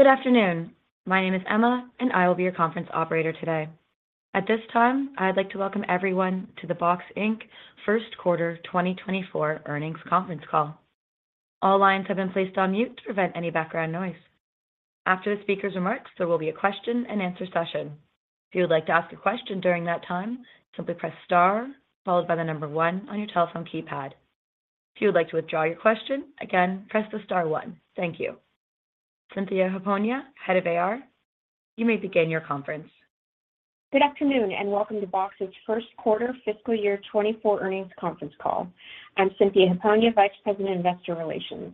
Good afternoon. My name is Emma. I will be your conference operator today. At this time, I'd like to welcome everyone to the Box, Inc. First Quarter 2024 Earnings Conference Call. All lines have been placed on mute to prevent any background noise. After the speaker's remarks, there will be a question and answer session. If you would like to ask a question during that time, simply press star followed by the one on your telephone keypad. If you would like to withdraw your question, again, press the star one. Thank you. Cynthia Hiponia, Head of AR, you may begin your conference. Good afternoon, and welcome to Box's Q1 fiscal year 2024 earnings conference call. I'm Cynthia Hiponia, Vice President, Investor Relations.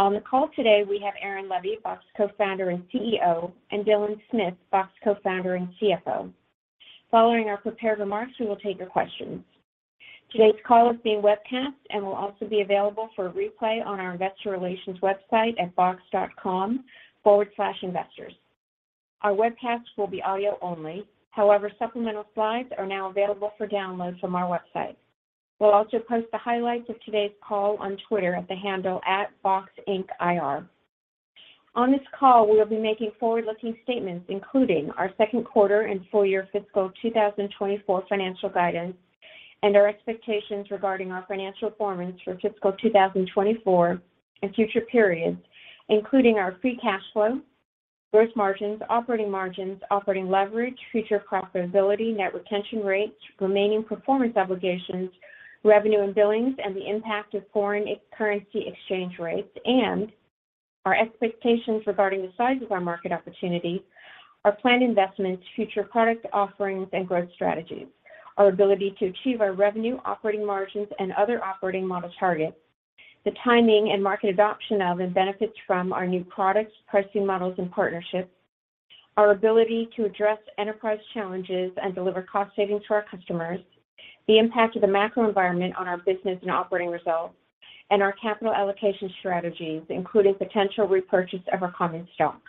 On the call today, we have Aaron Levie, Box Co-founder and CEO, and Dylan Smith, Box Co-founder and CFO. Following our prepared remarks, we will take your questions. Today's call is being webcast and will also be available for a replay on our investor relations website at box.com/investors. Our webcast will be audio only. However, supplemental slides are now available for download from our website. We'll also post the highlights of today's call on Twitter at the handle, @BoxIncIR. On this call, we will be making forward-looking statements, including our Q2 and full year fiscal 2024 financial guidance, and our expectations regarding our financial performance for fiscal 2024 and future periods, including our free cash flow, gross margins, operating margins, operating leverage, future profitability, net retention rates, remaining performance obligations, revenue and billings, and the impact of foreign currency exchange rates, and our expectations regarding the size of our market opportunity, our planned investments, future product offerings, and growth strategies, our ability to achieve our revenue, operating margins, and other operating model targets, the timing and market adoption of and benefits from our new products, pricing models, and partnerships, our ability to address enterprise challenges and deliver cost savings to our customers, the impact of the macro environment on our business and operating results, and our capital allocation strategies, including potential repurchase of our common stock.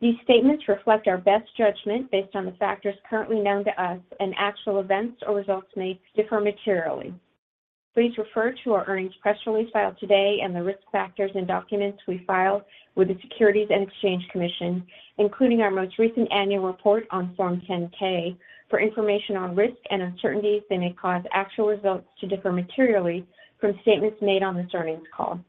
These statements reflect our best judgment based on the factors currently known to us. Actual events or results may differ materially. Please refer to our earnings press release filed today and the risk factors and documents we filed with the Securities and Exchange Commission, including our most recent annual report on Form 10-K, for information on risks and uncertainties that may cause actual results to differ materially from statements made on this earnings call.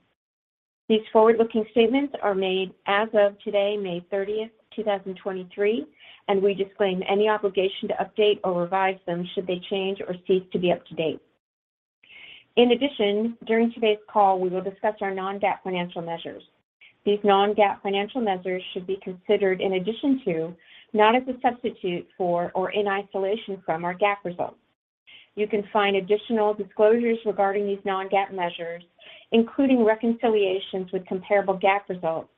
These forward-looking statements are made as of today, May 30th, 2023. We disclaim any obligation to update or revise them should they change or cease to be up to date. In addition, during today's call, we will discuss our non-GAAP financial measures. These non-GAAP financial measures should be considered in addition to, not as a substitute for or in isolation from our GAAP results. You can find additional disclosures regarding these non-GAAP measures, including reconciliations with comparable GAAP results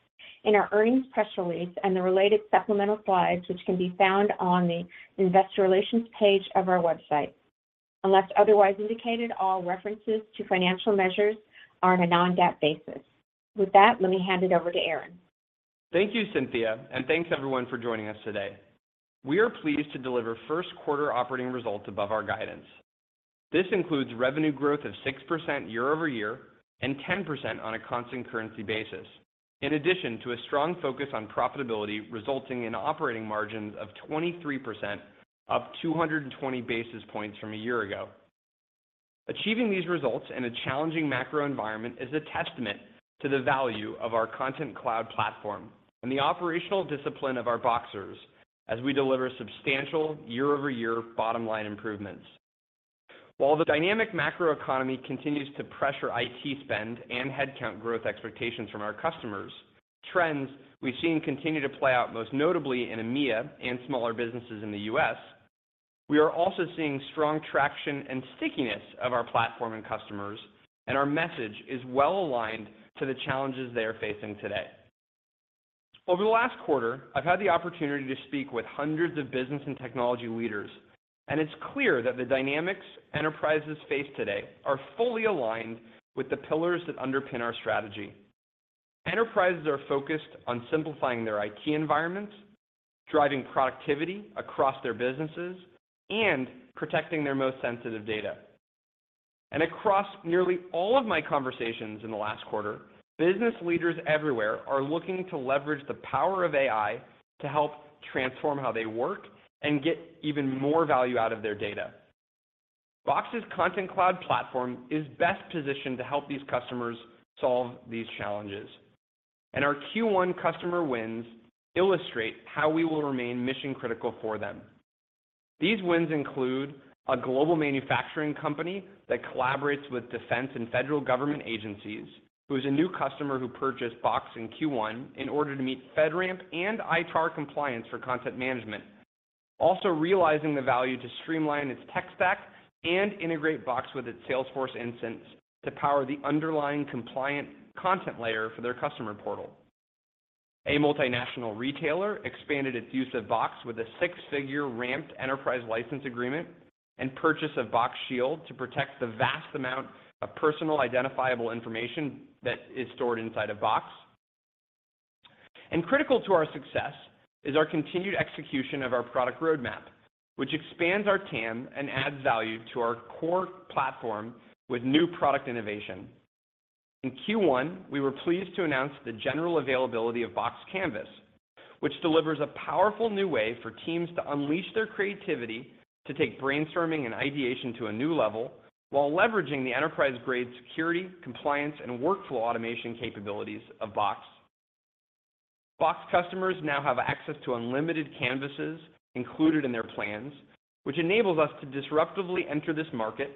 in our earnings press release and the related supplemental slides, which can be found on the Investor Relations page of our website. Unless otherwise indicated, all references to financial measures are on a non-GAAP basis. With that, let me hand it over to Aaron. Thank you, Cynthia, and thanks everyone for joining us today. We are pleased to deliver Q1 operating results above our guidance. This includes revenue growth of 6% year-over-year and 10% on a constant currency basis, in addition to a strong focus on profitability, resulting in operating margins of 23%, up 220 basis points from a year ago. Achieving these results in a challenging macro environment is a testament to the value of our Content Cloud platform and the operational discipline of our Boxers as we deliver substantial year-over-year bottom-line improvements. While the dynamic macroeconomy continues to pressure IT spend and headcount growth expectations from our customers, trends we've seen continue to play out, most notably in EMEA and smaller businesses in the U.S. We are also seeing strong traction and stickiness of our platform and customers. Our message is well aligned to the challenges they are facing today. Over the last quarter, I've had the opportunity to speak with hundreds of business and technology leaders. It's clear that the dynamics enterprises face today are fully aligned with the pillars that underpin our strategy. Enterprises are focused on simplifying their IT environments, driving productivity across their businesses, and protecting their most sensitive data. Across nearly all of my conversations in the last quarter, business leaders everywhere are looking to leverage the power of AI to help transform how they work and get even more value out of their data. Box's Content Cloud platform is best positioned to help these customers solve these challenges. Our Q1 customer wins illustrate how we will remain mission-critical for them. These wins include a global manufacturing company that collaborates with defense and federal government agencies, who is a new customer who purchased Box in Q1 in order to meet FedRAMP and ITAR compliance for content management. Also realizing the value to streamline its tech stack and integrate Box with its Salesforce instance to power the underlying compliant content layer for their customer portal. A multinational retailer expanded its use of Box with a six-figure ramped enterprise license agreement and purchase of Box Shield to protect the vast amount of personally identifiable information that is stored inside of Box. Critical to our success is our continued execution of our product roadmap, which expands our TAM and adds value to our core platform with new product innovation. In Q1, we were pleased to announce the general availability of Box Canvas, which delivers a powerful new way for teams to unleash their creativity, to take brainstorming and ideation to a new level, while leveraging the enterprise-grade security, compliance, and workflow automation capabilities of Box. Box customers now have access to unlimited canvases included in their plans, which enables us to disruptively enter this market,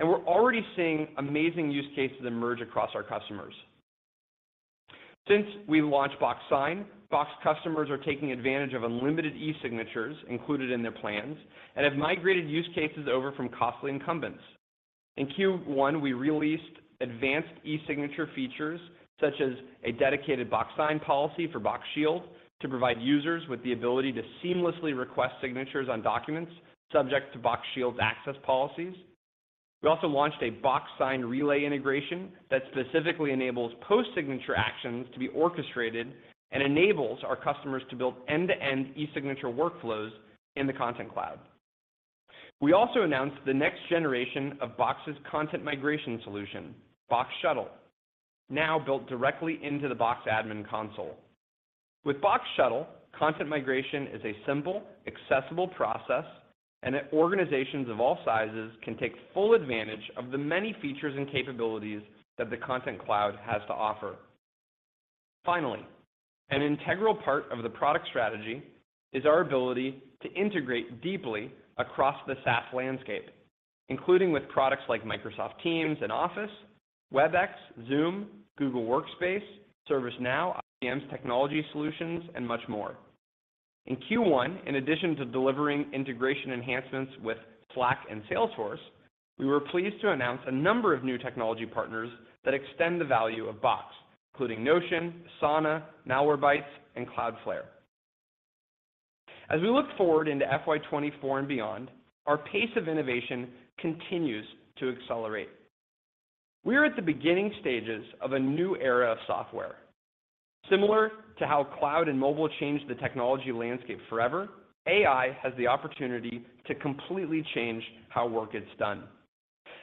we're already seeing amazing use cases emerge across our customers. Since we launched Box Sign, Box customers are taking advantage of unlimited e-signatures included in their plans and have migrated use cases over from costly incumbents. In Q1, we released advanced e-signature features, such as a dedicated Box Sign policy for Box Shield, to provide users with the ability to seamlessly request signatures on documents subject to Box Shield's access policies. We also launched a Box Sign Relay integration that specifically enables post-signature actions to be orchestrated and enables our customers to build end-to-end e-signature workflows in the Content Cloud. We also announced the next generation of Box's content migration solution, Box Shuttle, now built directly into the Box admin console. With Box Shuttle, content migration is a simple, accessible process, and organizations of all sizes can take full advantage of the many features and capabilities that the Content Cloud has to offer. Finally, an integral part of the product strategy is our ability to integrate deeply across the SaaS landscape, including with products like Microsoft Teams and Office, Webex, Zoom, Google Workspace, ServiceNow, IBM's technology solutions, and much more. In Q1, in addition to delivering integration enhancements with Slack and Salesforce, we were pleased to announce a number of new technology partners that extend the value of Box, including Notion, Asana, Nowwhere Bites, and Cloudflare. As we look forward into FY 2024 and beyond, our pace of innovation continues to accelerate. We are at the beginning stages of a new era of software. Similar to how cloud and mobile changed the technology landscape forever, AI has the opportunity to completely change how work gets done.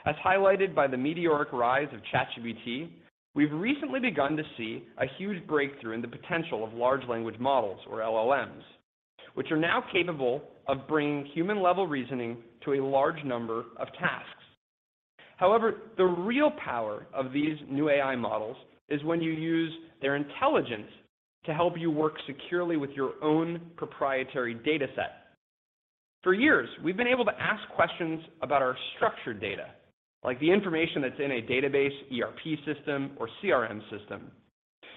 As highlighted by the meteoric rise of ChatGPT, we've recently begun to see a huge breakthrough in the potential of large language models, or LLMs, which are now capable of bringing human-level reasoning to a large number of tasks. The real power of these new AI models is when you use their intelligence to help you work securely with your own proprietary data set. For years, we've been able to ask questions about our structured data, like the information that's in a database, ERP system, or CRM system.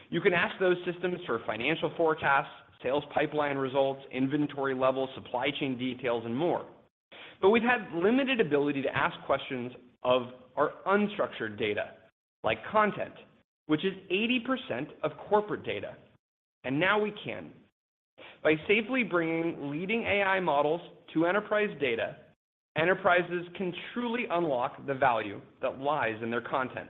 You can ask those systems for financial forecasts, sales pipeline results, inventory levels, supply chain details, and more. We've had limited ability to ask questions of our unstructured data, like content, which is 80% of corporate data, and now we can. By safely bringing leading AI models to enterprise data, enterprises can truly unlock the value that lies in their content.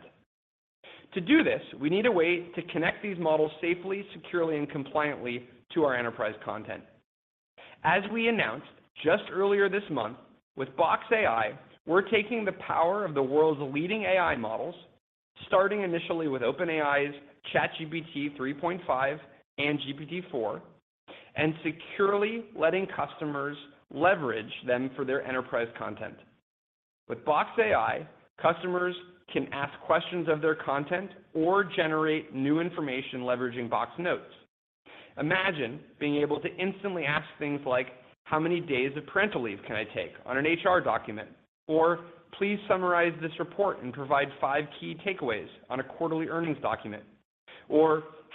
To do this, we need a way to connect these models safely, securely, and compliantly to our enterprise content. As we announced just earlier this month, with Box AI, we're taking the power of the world's leading AI models, starting initially with OpenAI's ChatGPT 3.5 and GPT-4, securely letting customers leverage them for their enterprise content. With Box AI, customers can ask questions of their content or generate new information leveraging Box Notes. Imagine being able to instantly ask things like, "How many days of parental leave can I take?" on an HR document, "Please summarize this report and provide five key takeaways," on a quarterly earnings document.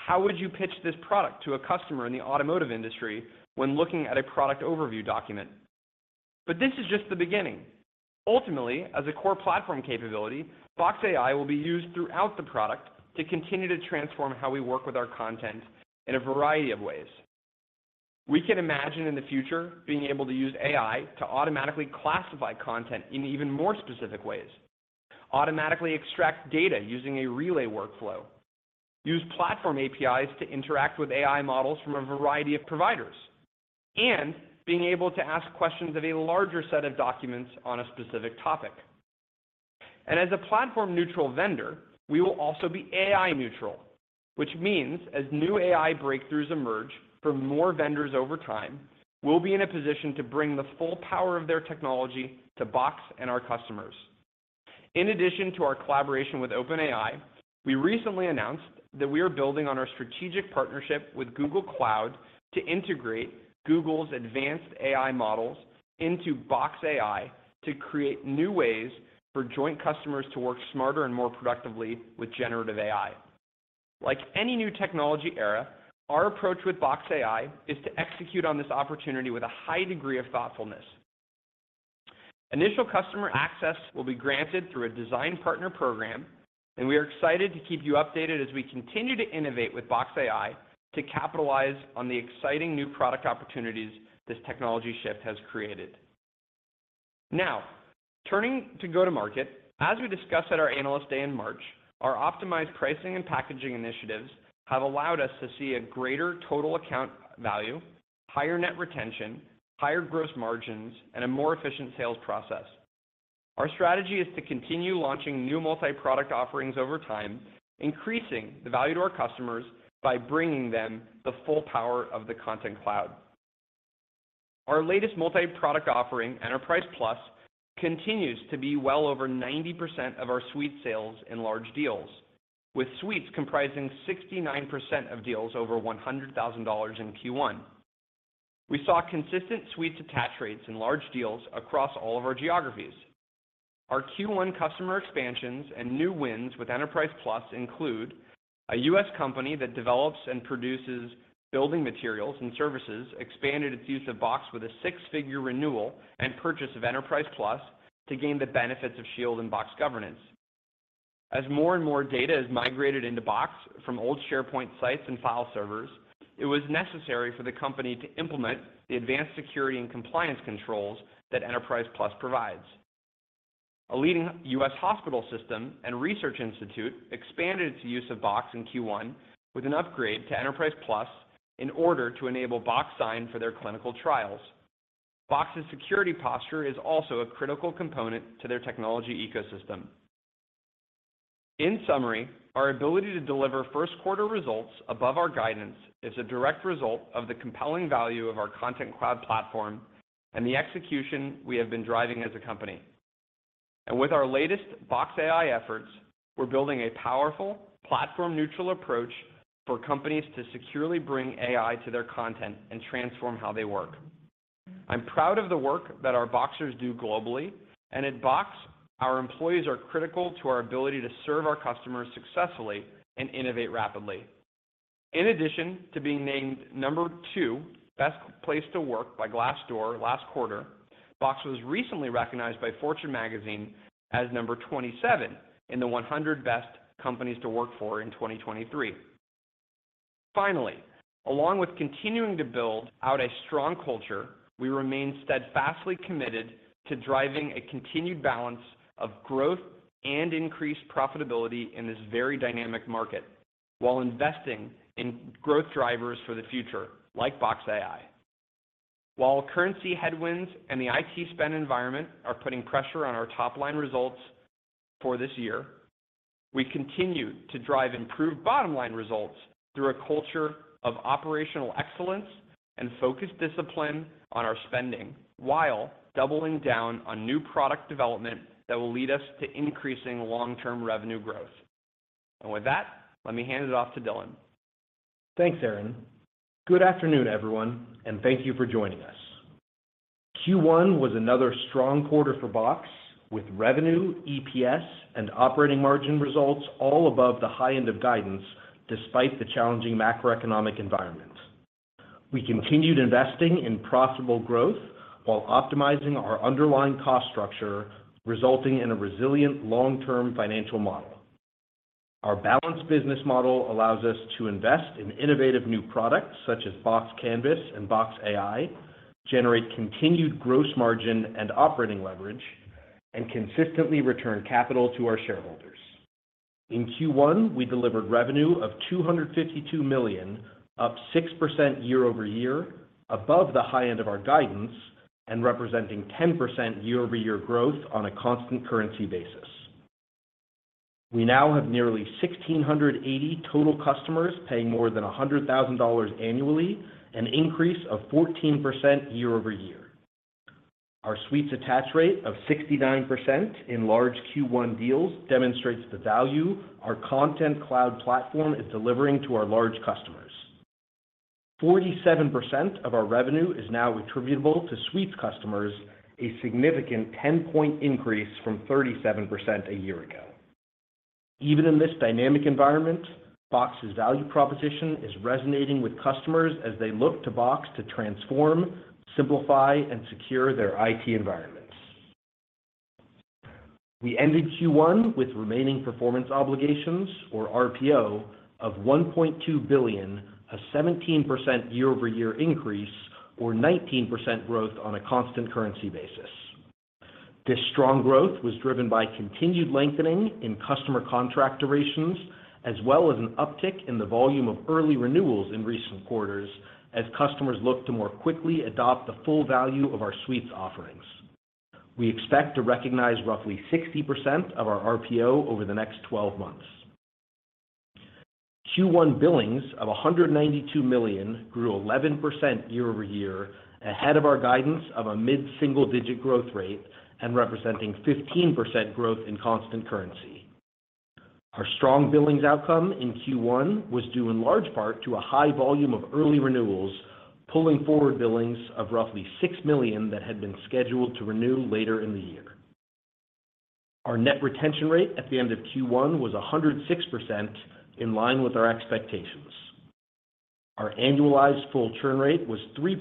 "How would you pitch this product to a customer in the automotive industry?" when looking at a product overview document. This is just the beginning. Ultimately, as a core platform capability, Box AI will be used throughout the product to continue to transform how we work with our content in a variety of ways. We can imagine in the future being able to use AI to automatically classify content in even more specific ways, automatically extract data using a relay workflow, use platform APIs to interact with AI models from a variety of providers, and being able to ask questions of a larger set of documents on a specific topic. As a platform-neutral vendor, we will also be AI neutral, which means as new AI breakthroughs emerge from more vendors over time, we'll be in a position to bring the full power of their technology to Box and our customers. In addition to our collaboration with OpenAI, we recently announced that we are building on our strategic partnership with Google Cloud to integrate Google's advanced AI models into Box AI, to create new ways for joint customers to work smarter and more productively with generative AI. Like any new technology era, our approach with Box AI is to execute on this opportunity with a high degree of thoughtfulness. Initial customer access will be granted through a design partner program, and we are excited to keep you updated as we continue to innovate with Box AI to capitalize on the exciting new product opportunities this technology shift has created. Now, turning to go-to-market, as we discussed at our analyst day in March, our optimized pricing and packaging initiatives have allowed us to see a greater total account value, higher net retention, higher gross margins, and a more efficient sales process. Our strategy is to continue launching new multi-product offerings over time, increasing the value to our customers by bringing them the full power of the Content Cloud. Our latest multi-product offering, Enterprise Plus, continues to be well over 90% of our suite sales in large deals, with suites comprising 69% of deals over $100,000 in Q1. We saw consistent suites attach rates in large deals across all of our geographies. Our Q1 customer expansions and new wins with Enterprise Plus include: a US company that develops and produces building materials and services, expanded its use of Box with a six-figure renewal and purchase of Enterprise Plus to gain the benefits of Shield and Box Governance. As more and more data is migrated into Box from old SharePoint sites and file servers, it was necessary for the company to implement the advanced security and compliance controls that Enterprise Plus provides. A leading U.S. hospital system and research institute expanded its use of Box in Q1 with an upgrade to Enterprise Plus in order to enable Box Sign for their clinical trials. Box's security posture is also a critical component to their technology ecosystem. In summary, our ability to deliver Q1 results above our guidance is a direct result of the compelling value of our Content Cloud platform and the execution we have been driving as a company. With our latest Box AI efforts, we're building a powerful, platform-neutral approach for companies to securely bring AI to their content and transform how they work. I'm proud of the work that our Boxers do globally, and at Box, our employees are critical to our ability to serve our customers successfully and innovate rapidly. In addition to being named number two, Best Place to Work by Glassdoor last quarter, Box was recently recognized by Fortune as number 27 in the 100 Best Companies to Work For in 2023. Along with continuing to build out a strong culture, we remain steadfastly committed to driving a continued balance of growth and increased profitability in this very dynamic market, while investing in growth drivers for the future, like Box AI. While currency headwinds and the IT spend environment are putting pressure on our top-line results for this year, we continue to drive improved bottom-line results through a culture of operational excellence and focused discipline on our spending, while doubling down on new product development that will lead us to increasing long-term revenue growth. With that, let me hand it off to Dylan. Thanks, Aaron. Good afternoon, everyone, thank you for joining us. Q1 was another strong quarter for Box, with revenue, EPS, and operating margin results all above the high end of guidance, despite the challenging macroeconomic environment. We continued investing in profitable growth while optimizing our underlying cost structure, resulting in a resilient long-term financial model. Our balanced business model allows us to invest in innovative new products, such as Box Canvas and Box AI, generate continued gross margin and operating leverage, and consistently return capital to our shareholders. In Q1, we delivered revenue of $252 million, up 6% year-over-year, above the high end of our guidance, representing 10% year-over-year growth on a constant currency basis. We now have nearly 1,680 total customers paying more than $100,000 annually, an increase of 14% year-over-year. Our Suites attach rate of 69% in large Q1 deals demonstrates the value our Content Cloud platform is delivering to our large customers. 47% of our revenue is now attributable to Suites customers, a significant 10-point increase from 37% a year ago. Even in this dynamic environment, Box's value proposition is resonating with customers as they look to Box to transform, simplify, and secure their IT environments. We ended Q1 with remaining performance obligations, or RPO, of $1.2 billion, a 17% year-over-year increase, or 19% growth on a constant currency basis. This strong growth was driven by continued lengthening in customer contract durations, as well as an uptick in the volume of early renewals in recent quarters, as customers look to more quickly adopt the full value of our Suites offerings. We expect to recognize roughly 60% of our RPO over the next 12 months. Q1 billings of $192 million grew 11% year-over-year, ahead of our guidance of a mid-single digit growth rate and representing 15% growth in constant currency. Our strong billings outcome in Q1 was due in large part to a high volume of early renewals, pulling forward billings of roughly $6 million that had been scheduled to renew later in the year. Our net retention rate at the end of Q1 was 106%, in line with our expectations. Our annualized full churn rate was 3%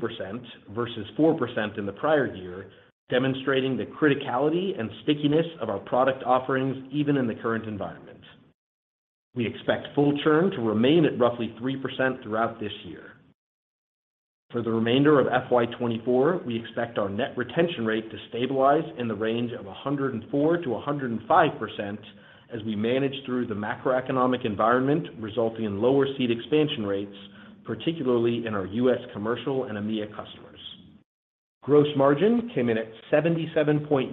versus 4% in the prior year, demonstrating the criticality and stickiness of our product offerings even in the current environment. We expect full churn to remain at roughly 3% throughout this year. For the remainder of FY 2024, we expect our net retention rate to stabilize in the range of 104%-105% as we manage through the macroeconomic environment, resulting in lower seat expansion rates, particularly in our US commercial and EMEA customers. Gross margin came in at 77.9%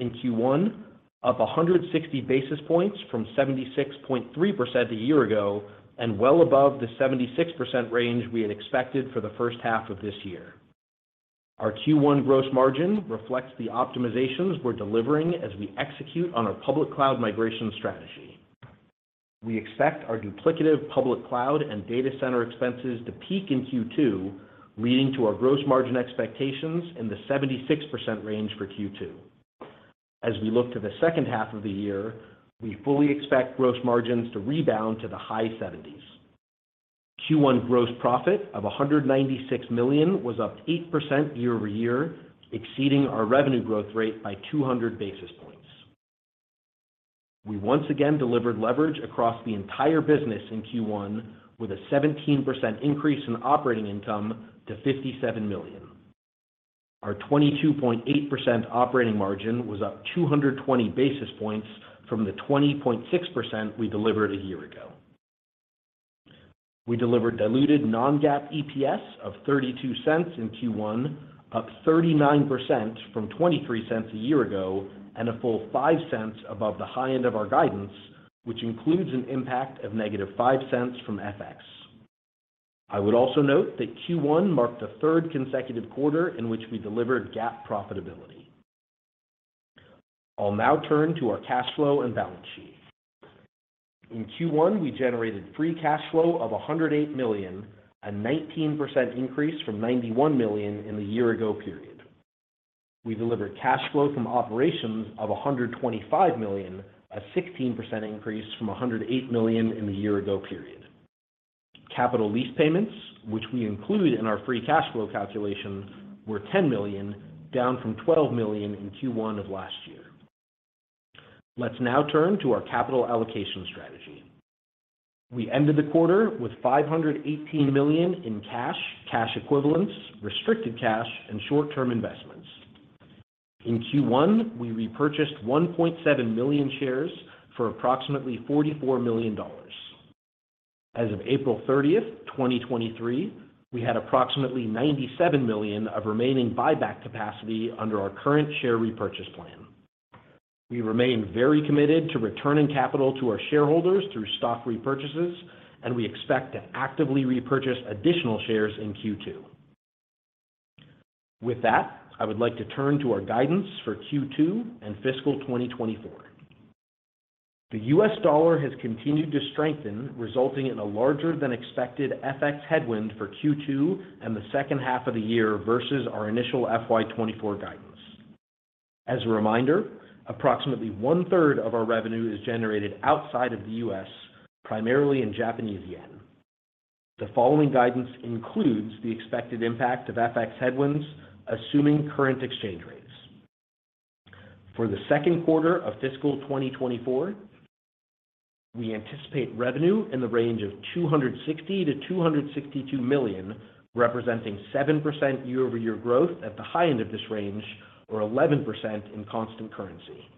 in Q1, up 160 basis points from 76.3% a year ago. Well above the 76% range we had expected for the first half of this year. Our Q1 gross margin reflects the optimizations we're delivering as we execute on our public cloud migration strategy. We expect our duplicative public cloud and data center expenses to peak in Q2, leading to our gross margin expectations in the 76% range for Q2. As we look to the second half of the year, we fully expect gross margins to rebound to the high 70s. Q1 gross profit of $196 million was up 8% year-over-year, exceeding our revenue growth rate by 200 basis points. We once again delivered leverage across the entire business in Q1, with a 17% increase in operating income to $57 million. Our 22.8% operating margin was up 220 basis points from the 20.6% we delivered a year ago. We delivered diluted non-GAAP EPS of $0.32 in Q1, up 39% from $0.23 a year ago, and a full $0.05 above the high end of our guidance, which includes an impact of negative $0.05 from FX. I would also note that Q1 marked the third consecutive quarter in which we delivered GAAP profitability. I'll now turn to our cash flow and balance sheet. In Q1, we generated free cash flow of $108 million, a 19% increase from $91 million in the year-ago period. We delivered cash flow from operations of $125 million, a 16% increase from $108 million in the year-ago period. Capital lease payments, which we include in our free cash flow calculation, were $10 million, down from $12 million in Q1 of last year. Let's now turn to our capital allocation strategy. We ended the quarter with $518 million in cash equivalents, restricted cash, and short-term investments. In Q1, we repurchased 1.7 million shares for approximately $44 million. As of April 30th, 2023, we had approximately $97 million of remaining buyback capacity under our current share repurchase plan. We remain very committed to returning capital to our shareholders through stock repurchases. We expect to actively repurchase additional shares in Q2. With that, I would like to turn to our guidance for Q2 and fiscal 2024. The US dollar has continued to strengthen, resulting in a larger than expected FX headwind for Q2 and the second half of the year versus our initial FY 2024 guidance. As a reminder, approximately one-third of our revenue is generated outside of the U.S., primarily in Japanese yen. The following guidance includes the expected impact of FX headwinds, assuming current exchange rates. For the 2Q of fiscal 2024, we anticipate revenue in the range of $260 million-$262 million, representing 7% year-over-year growth at the high end of this range, or 11% in constant currency.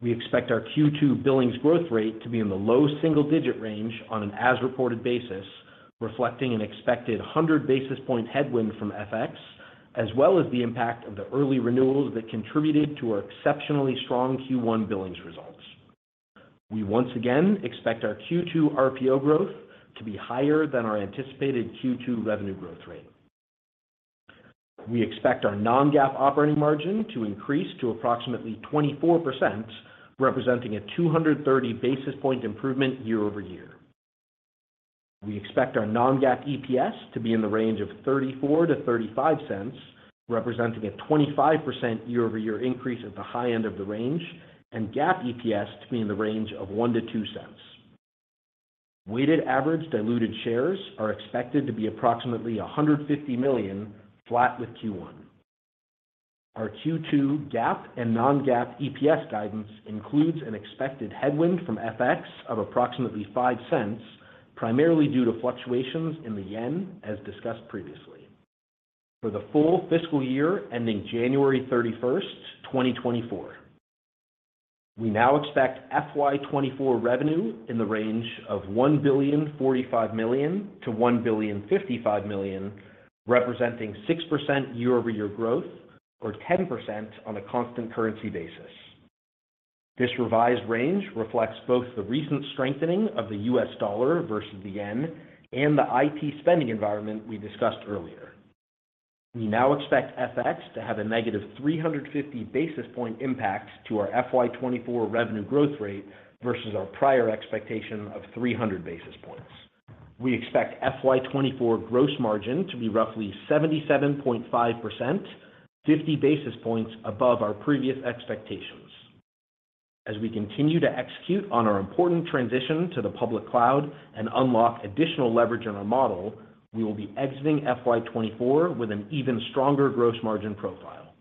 We expect our Q2 billings growth rate to be in the low single digit range on an as-reported basis, reflecting an expected 100 basis point headwind from FX, as well as the impact of the early renewals that contributed to our exceptionally strong Q1 billings results. We once again expect our Q2 RPO growth to be higher than our anticipated Q2 revenue growth rate. We expect our non-GAAP operating margin to increase to approximately 24%, representing a 230 basis point improvement year-over-year. We expect our non-GAAP EPS to be in the range of $0.34-$0.35, representing a 25% year-over-year increase at the high end of the range, and GAAP EPS to be in the range of $0.01-$0.02. Weighted average diluted shares are expected to be approximately 150 million, flat with Q1. Our Q2 GAAP and non-GAAP EPS guidance includes an expected headwind from FX of approximately $0.05, primarily due to fluctuations in the JPY, as discussed previously. For the full fiscal year, ending January 31, 2024, we now expect FY24 revenue in the range of $1.045 billion-$1.055 billion, representing 6% year-over-year growth, or 10% on a constant currency basis. This revised range reflects both the recent strengthening of the US dollar versus the yen and the IT spending environment we discussed earlier. We now expect FX to have a negative 350 basis point impact to our FY 2024 revenue growth rate versus our prior expectation of 300 basis points. We expect FY 2024 gross margin to be roughly 77.5%, 50 basis points above our previous expectations. As we continue to execute on our important transition to the public cloud and unlock additional leverage in our model, we will be exiting FY 2024 with an even stronger gross margin profile.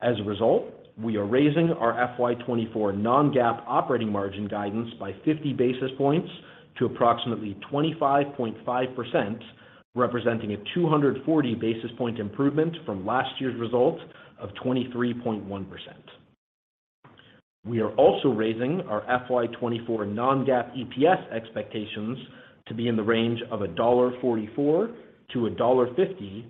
As a result, we are raising our FY 2024 non-GAAP operating margin guidance by 50 basis points to approximately 25.5%, representing a 240 basis point improvement from last year's result of 23.1%. We are also raising our FY 2024 non-GAAP EPS expectations to be in the range of $1.44 to $1.50,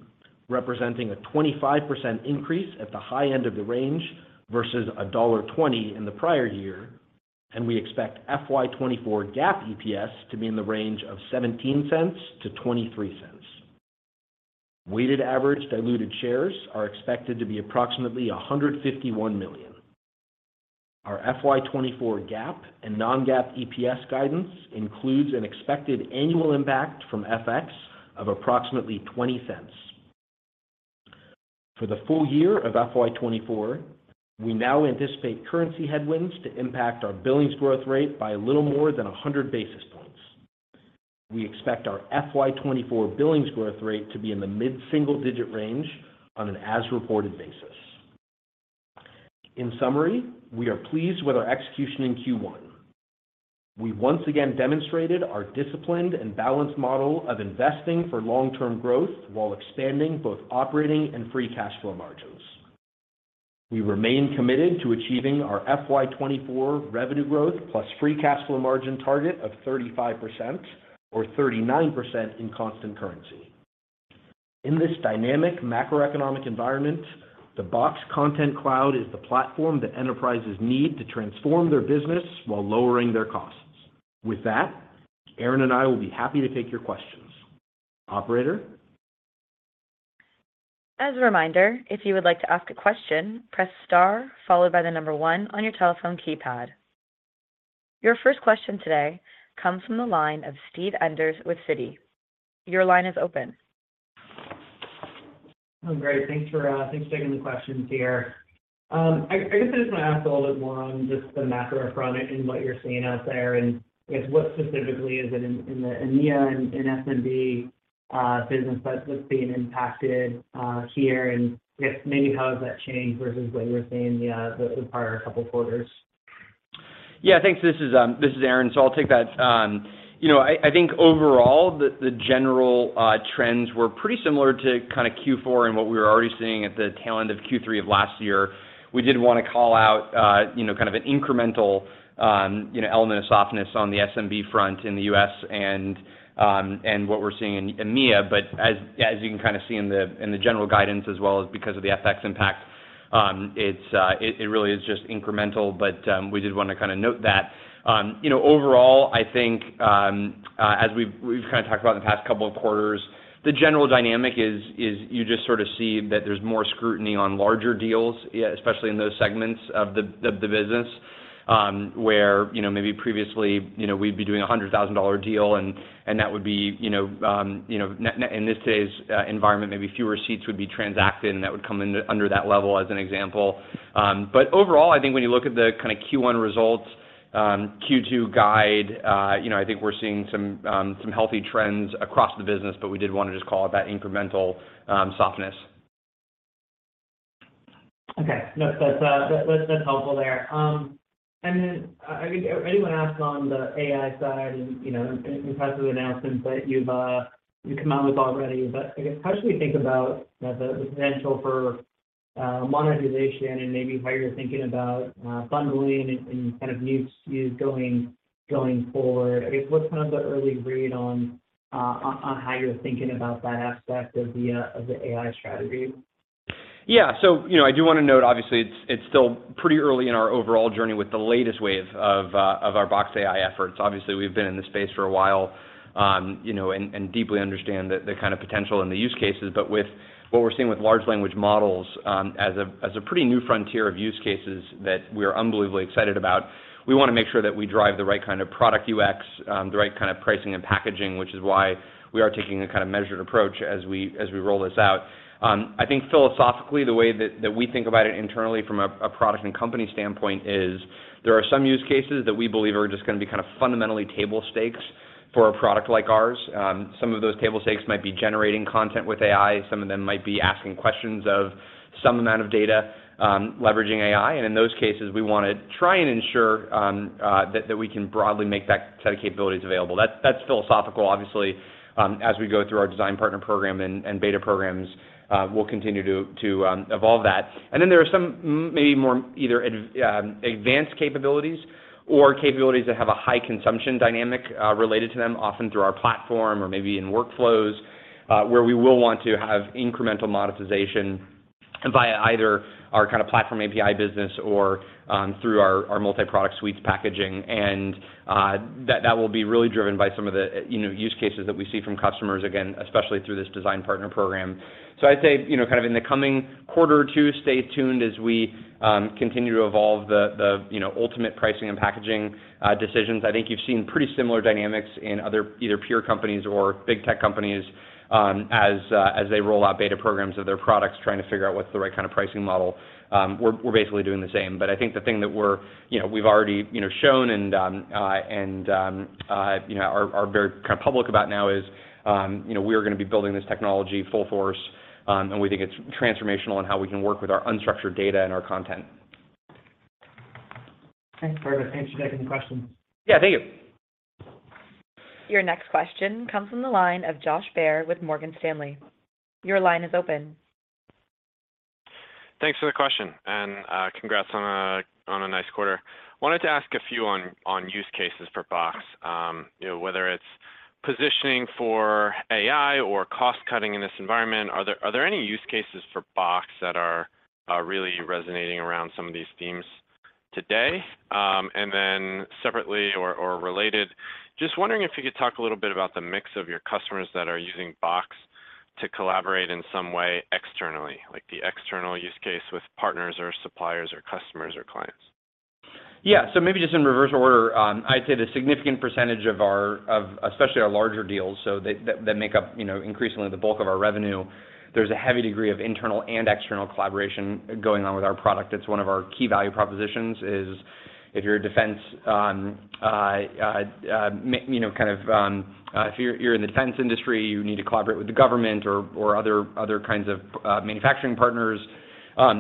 representing a 25% increase at the high end of the range versus $1.20 in the prior year. We expect FY 2024 GAAP EPS to be in the range of $0.17 to $0.23. Weighted average diluted shares are expected to be approximately 151 million. Our FY 2024 GAAP and non-GAAP EPS guidance includes an expected annual impact from FX of approximately $0.20. For the full year of FY 2024, we now anticipate currency headwinds to impact our billings growth rate by a little more than 100 basis points. We expect our FY 2024 billings growth rate to be in the mid-single digit range on an as-reported basis. In summary, we are pleased with our execution in Q1. We once again demonstrated our disciplined and balanced model of investing for long-term growth while expanding both operating and free cash flow margins. We remain committed to achieving our FY 2024 revenue growth, plus free cash flow margin target of 35% or 39% in constant currency. In this dynamic macroeconomic environment, the Box Content Cloud is the platform that enterprises need to transform their business while lowering their costs. With that, Aaron and I will be happy to take your questions. Operator? As a reminder, if you would like to ask a question, press star, followed by one on your telephone keypad. Your first question today comes from the line of Steve Enders with Citi. Your line is open. Great. Thanks for taking the questions here. I guess I just want to ask a little bit more on just the macroeconomic and what you're seeing out there, and I guess what specifically is it in the EMEA and in SMB business that's being impacted here, and I guess maybe how has that changed versus what you were seeing the prior couple of quarters? Yeah, thanks. This is Aaron, so I'll take that. You know, I think overall, the general trends were pretty similar to kinda Q4 and what we were already seeing at the tail end of Q3 of last year. We did want to call out, you know, kind of an incremental, you know, element of softness on the SMB front in the US and what we're seeing in EMEA. As you can kinda see in the general guidance, as well as because of the FX impact, it's really just incremental. We did wanna kinda note that. You know, overall, I think, as we've kinda talked about in the past couple of quarters, the general dynamic is you just sort of see that there's more scrutiny on larger deals, yeah, especially in those segments of the business, where, you know, maybe previously, you know, we'd be doing a $100,000 deal and that would be, you know, in this today's environment, maybe fewer seats would be transacted, and that would come under that level as an example. Overall, I think when you look at the kinda Q1 results, Q2 guide, you know, I think we're seeing some healthy trends across the business, but we did wanna just call out that incremental softness. Okay. No, that's helpful there. I mean, anyone asked on the AI side, and, you know, in terms of the announcements that you've come out with already, but I guess, how should we think about the potential for monetization and maybe how you're thinking about bundling and kind of new use going forward? I guess, what's kind of the early read on how you're thinking about that aspect of the AI strategy? Yeah. You know, I do wanna note, obviously, it's still pretty early in our overall journey with the latest wave of our Box AI efforts. Obviously, we've been in this space for a while, you know, and deeply understand the kind of potential and the use cases. With what we're seeing with large language models, as a, as a pretty new frontier of use cases that we are unbelievably excited about, we wanna make sure that we drive the right kind of product UX, the right kind of pricing and packaging, which is why we are taking a kinda measured approach as we, as we roll this out. I think philosophically, the way that we think about it internally from a product and company standpoint is, there are some use cases that we believe are just gonna be kinda fundamentally table stakes for a product like ours. Some of those table stakes might be generating content with AI, some of them might be asking questions of some amount of data, leveraging AI, and in those cases, we wanna try and ensure that we can broadly make that set of capabilities available. That's philosophical. Obviously, as we go through our design partner program and beta programs, we'll continue to evolve that. There are some maybe more either advanced capabilities or capabilities that have a high consumption dynamic related to them, often through our platform or maybe in workflows, where we will want to have incremental monetization via either our kinda platform API business or through our multi-product suites packaging. That will be really driven by some of the, you know, use cases that we see from customers, again, especially through this design partner program. I'd say, you know, kind of in the coming quarter or two, stay tuned as we continue to evolve the, you know, ultimate pricing and packaging decisions. I think you've seen pretty similar dynamics in other either peer companies or big tech companies as they roll out beta programs of their products, trying to figure out what's the right kind of pricing model. We're basically doing the same. I think the thing that you know, we've already, you know, shown and, you know, are very kind of public about now is, you know, we are gonna be building this technology full force, and we think it's transformational in how we can work with our unstructured data and our content. Thanks, perfect. Thanks for taking the questions. Yeah, thank you. Your next question comes from the line of Josh Baer with Morgan Stanley. Your line is open. Thanks for the question, and congrats on a nice quarter. Wanted to ask a few on use cases for Box. You know, whether it's positioning for AI or cost cutting in this environment, are there any use cases for Box that are really resonating around some of these themes today? Separately or related, just wondering if you could talk a little bit about the mix of your customers that are using Box to collaborate in some way externally, like the external use case with partners or suppliers or customers or clients. Yeah. Maybe just in reverse order, I'd say the significant percentage of especially our larger deals, that make up, you know, increasingly the bulk of our revenue, there's a heavy degree of internal and external collaboration going on with our product. It's one of our key value propositions, is if you're a defense, you know, kind of, if you're in the defense industry, you need to collaborate with the government or other kinds of manufacturing partners,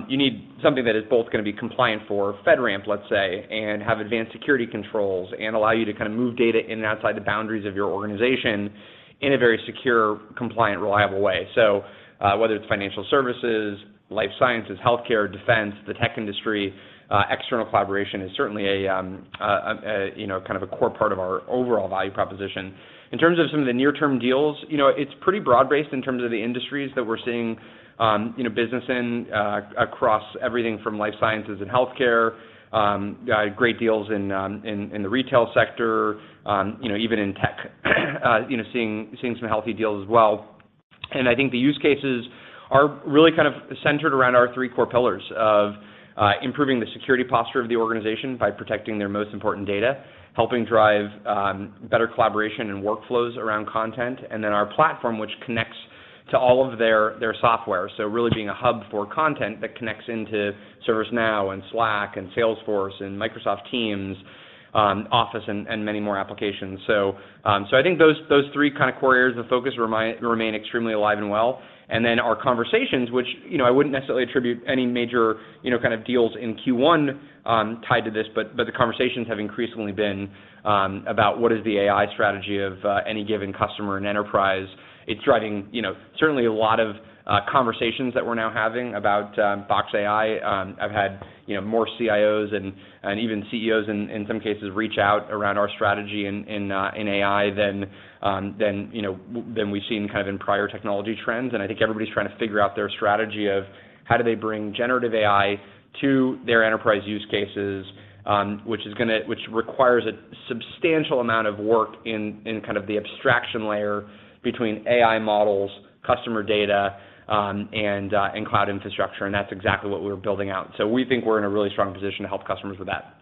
you need something that is both gonna be compliant for FedRAMP, let's say, and have advanced security controls, and allow you to kind of move data in and outside the boundaries of your organization in a very secure, compliant, reliable way. Whether it's financial services, life sciences, healthcare, defense, the tech industry, external collaboration is certainly a, you know, kind of a core part of our overall value proposition. In terms of some of the near-term deals, you know, it's pretty broad-based in terms of the industries that we're seeing, you know, business in, across everything from life sciences and healthcare, great deals in the retail sector, you know, even in tech, seeing some healthy deals as well. I think the use cases are really kind of centered around our three core pillars of improving the security posture of the organization by protecting their most important data, helping drive better collaboration and workflows around content, and then our platform, which connects to all of their software. Really being a hub for content that connects into ServiceNow, Slack, Salesforce, Microsoft Teams, Office, and many more applications. I think those three kind of core areas of focus remain extremely alive and well. Then our conversations, which, you know, I wouldn't necessarily attribute any major, you know, kind of deals in Q1 tied to this, but the conversations have increasingly been about what is the AI strategy of any given customer and enterprise. It's driving, you know, certainly a lot of conversations that we're now having about Box AI. I've had, you know, more CIOs and even CEOs in some cases reach out around our strategy in AI than, you know, than we've seen kind of in prior technology trends. I think everybody's trying to figure out their strategy of how do they bring generative AI to their enterprise use cases, which requires a substantial amount of work in kind of the abstraction layer between AI models, customer data, and cloud infrastructure, and that's exactly what we're building out. We think we're in a really strong position to help customers with that.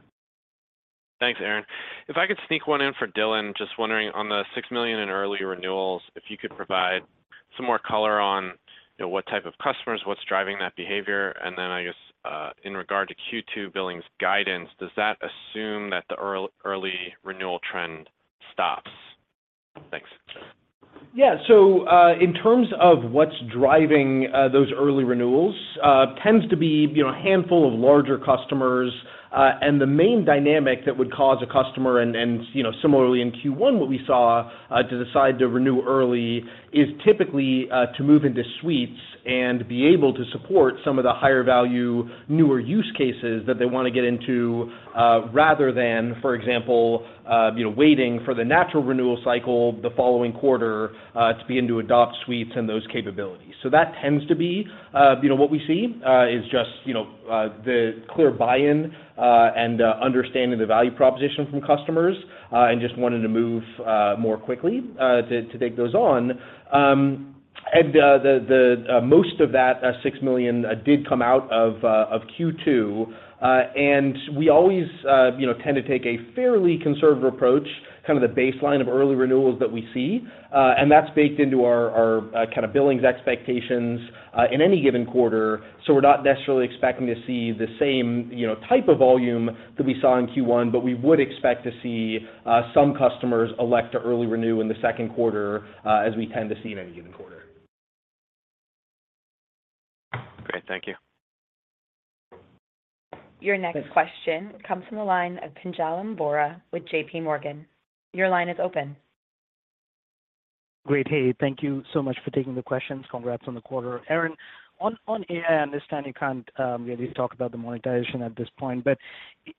Thanks, Aaron. If I could sneak one in for Dylan, just wondering, on the $6 million in early renewals, if you could provide some more color on, you know, what type of customers, what's driving that behavior? I guess, in regard to Q2 billings guidance, does that assume that the early renewal trend stops? Thanks. Yeah. In terms of what's driving those early renewals, tends to be, you know, a handful of larger customers. The main dynamic that would cause a customer and, you know, similarly in Q1, what we saw, to decide to renew early is typically to move into suites and be able to support some of the higher value, newer use cases that they want to get into, rather than, for example, you know, waiting for the natural renewal cycle the following quarter, to be able to adopt suites and those capabilities. That tends to be, you know, what we see, is just, you know, the clear buy-in, and understanding the value proposition from customers, and just wanting to move more quickly, to take those on. The most of that $6 million did come out of Q2. We always, you know, tend to take a fairly conservative approach, kind of the baseline of early renewals that we see, and that's baked into our kind of billings expectations in any given quarter. We're not necessarily expecting to see the same, you know, type of volume that we saw in Q1, but we would expect to see some customers elect to early renew in the Q2, as we tend to see in any given quarter. Great. Thank you. Your next question comes from the line of Pinjalim Bora with JP Morgan. Your line is open. Great. Hey, thank you so much for taking the questions. Congrats on the quarter. Aaron, on AI, I understand you can't really talk about the monetization at this point, but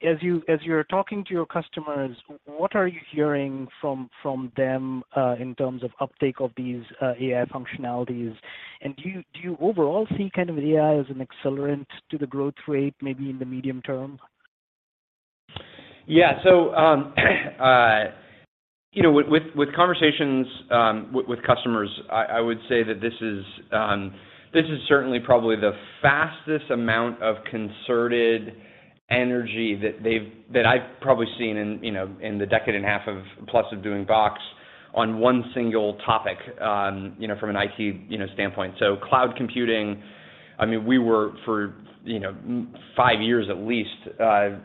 as you're talking to your customers, what are you hearing from them in terms of uptake of these AI functionalities? Do you overall see kind of AI as an accelerant to the growth rate, maybe in the medium term? Yeah. You know, with conversations, with customers, I would say that this is certainly probably the fastest amount of concerted energy that I've probably seen in, you know, in the decade and a half plus of doing Box on one single topic, you know, from an IT, you know, standpoint. Cloud computing, I mean, we were for, you know, five years at least,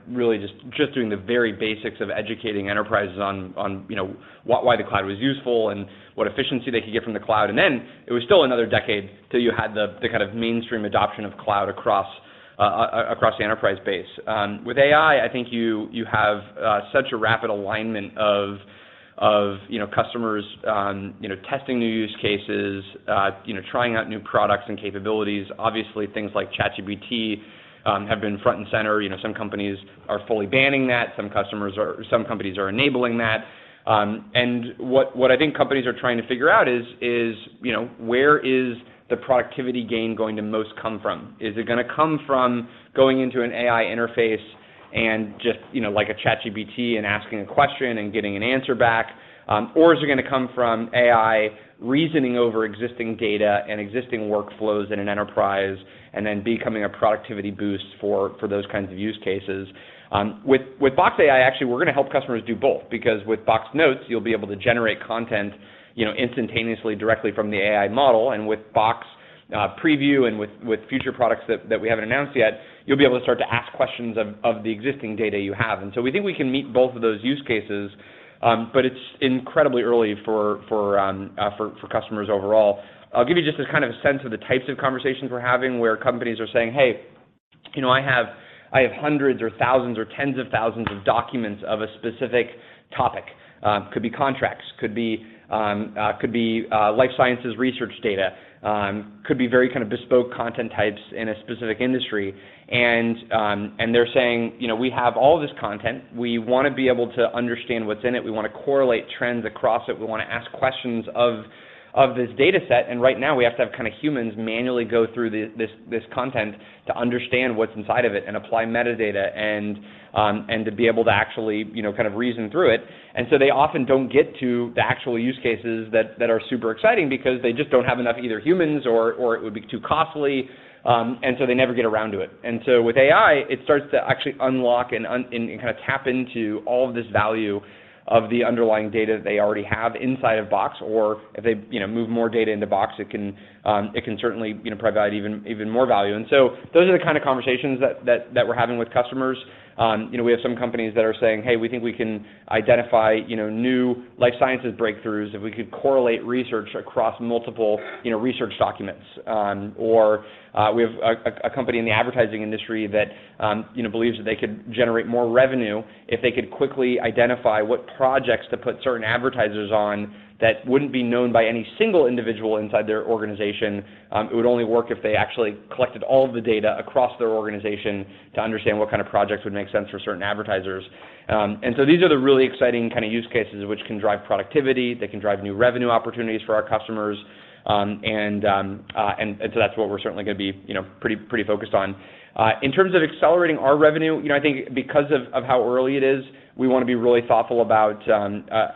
really just doing the very basics of educating enterprises on, you know, why the cloud was useful and what efficiency they could get from the cloud. It was still another decade till you had the kind of mainstream adoption of cloud across- across the enterprise base. With AI, I think you have such a rapid alignment of, you know, customers, you know, testing new use cases, you know, trying out new products and capabilities. Obviously, things like ChatGPT have been front and center. You know, some companies are fully banning that, some companies are enabling that. What I think companies are trying to figure out is, you know, where is the productivity gain going to most come from? Is it gonna come from going into an AI interface and just, you know, like a ChatGPT and asking a question and getting an answer back? Or is it gonna come from AI reasoning over existing data and existing workflows in an enterprise, and then becoming a productivity boost for those kinds of use cases? With Box AI, actually, we're gonna help customers do both, because with Box Notes, you'll be able to generate content, you know, instantaneously, directly from the AI model, and with Box Preview and with future products that we haven't announced yet, you'll be able to start to ask questions of the existing data you have. We think we can meet both of those use cases, but it's incredibly early for customers overall. I'll give you just a kind of a sense of the types of conversations we're having, where companies are saying, "Hey, you know, I have hundreds or thousands or 10s of thousands of documents of a specific topic." Could be contracts, could be life sciences research data, could be very kind of bespoke content types in a specific industry. They're saying, "You know, we have all this content. We want to be able to understand what's in it. We want to correlate trends across it. We want to ask questions of this data set, and right now, we have to have kind of humans manually go through this content to understand what's inside of it and apply metadata, and to be able to actually, you know, kind of reason through it. They often don't get to the actual use cases that are super exciting because they just don't have enough either humans or it would be too costly, and so they never get around to it. With AI, it starts to actually unlock and kind of tap into all of this value of the underlying data they already have inside of Box, or if they, you know, move more data into Box, it can certainly, you know, provide even more value. Those are the kind of conversations that we're having with customers. You know, we have some companies that are saying, "Hey, we think we can identify, you know, new life sciences breakthroughs if we could correlate research across multiple, you know, research documents." Or, we have a company in the advertising industry that, you know, believes that they could generate more revenue if they could quickly identify what projects to put certain advertisers on that wouldn't be known by any single individual inside their organization. It would only work if they actually collected all of the data across their organization to understand what kind of projects would make sense for certain advertisers. These are the really exciting kind of use cases which can drive productivity, they can drive new revenue opportunities for our customers. That's what we're certainly gonna be, you know, pretty focused on. In terms of accelerating our revenue, you know, I think because of how early it is, we wanna be really thoughtful about,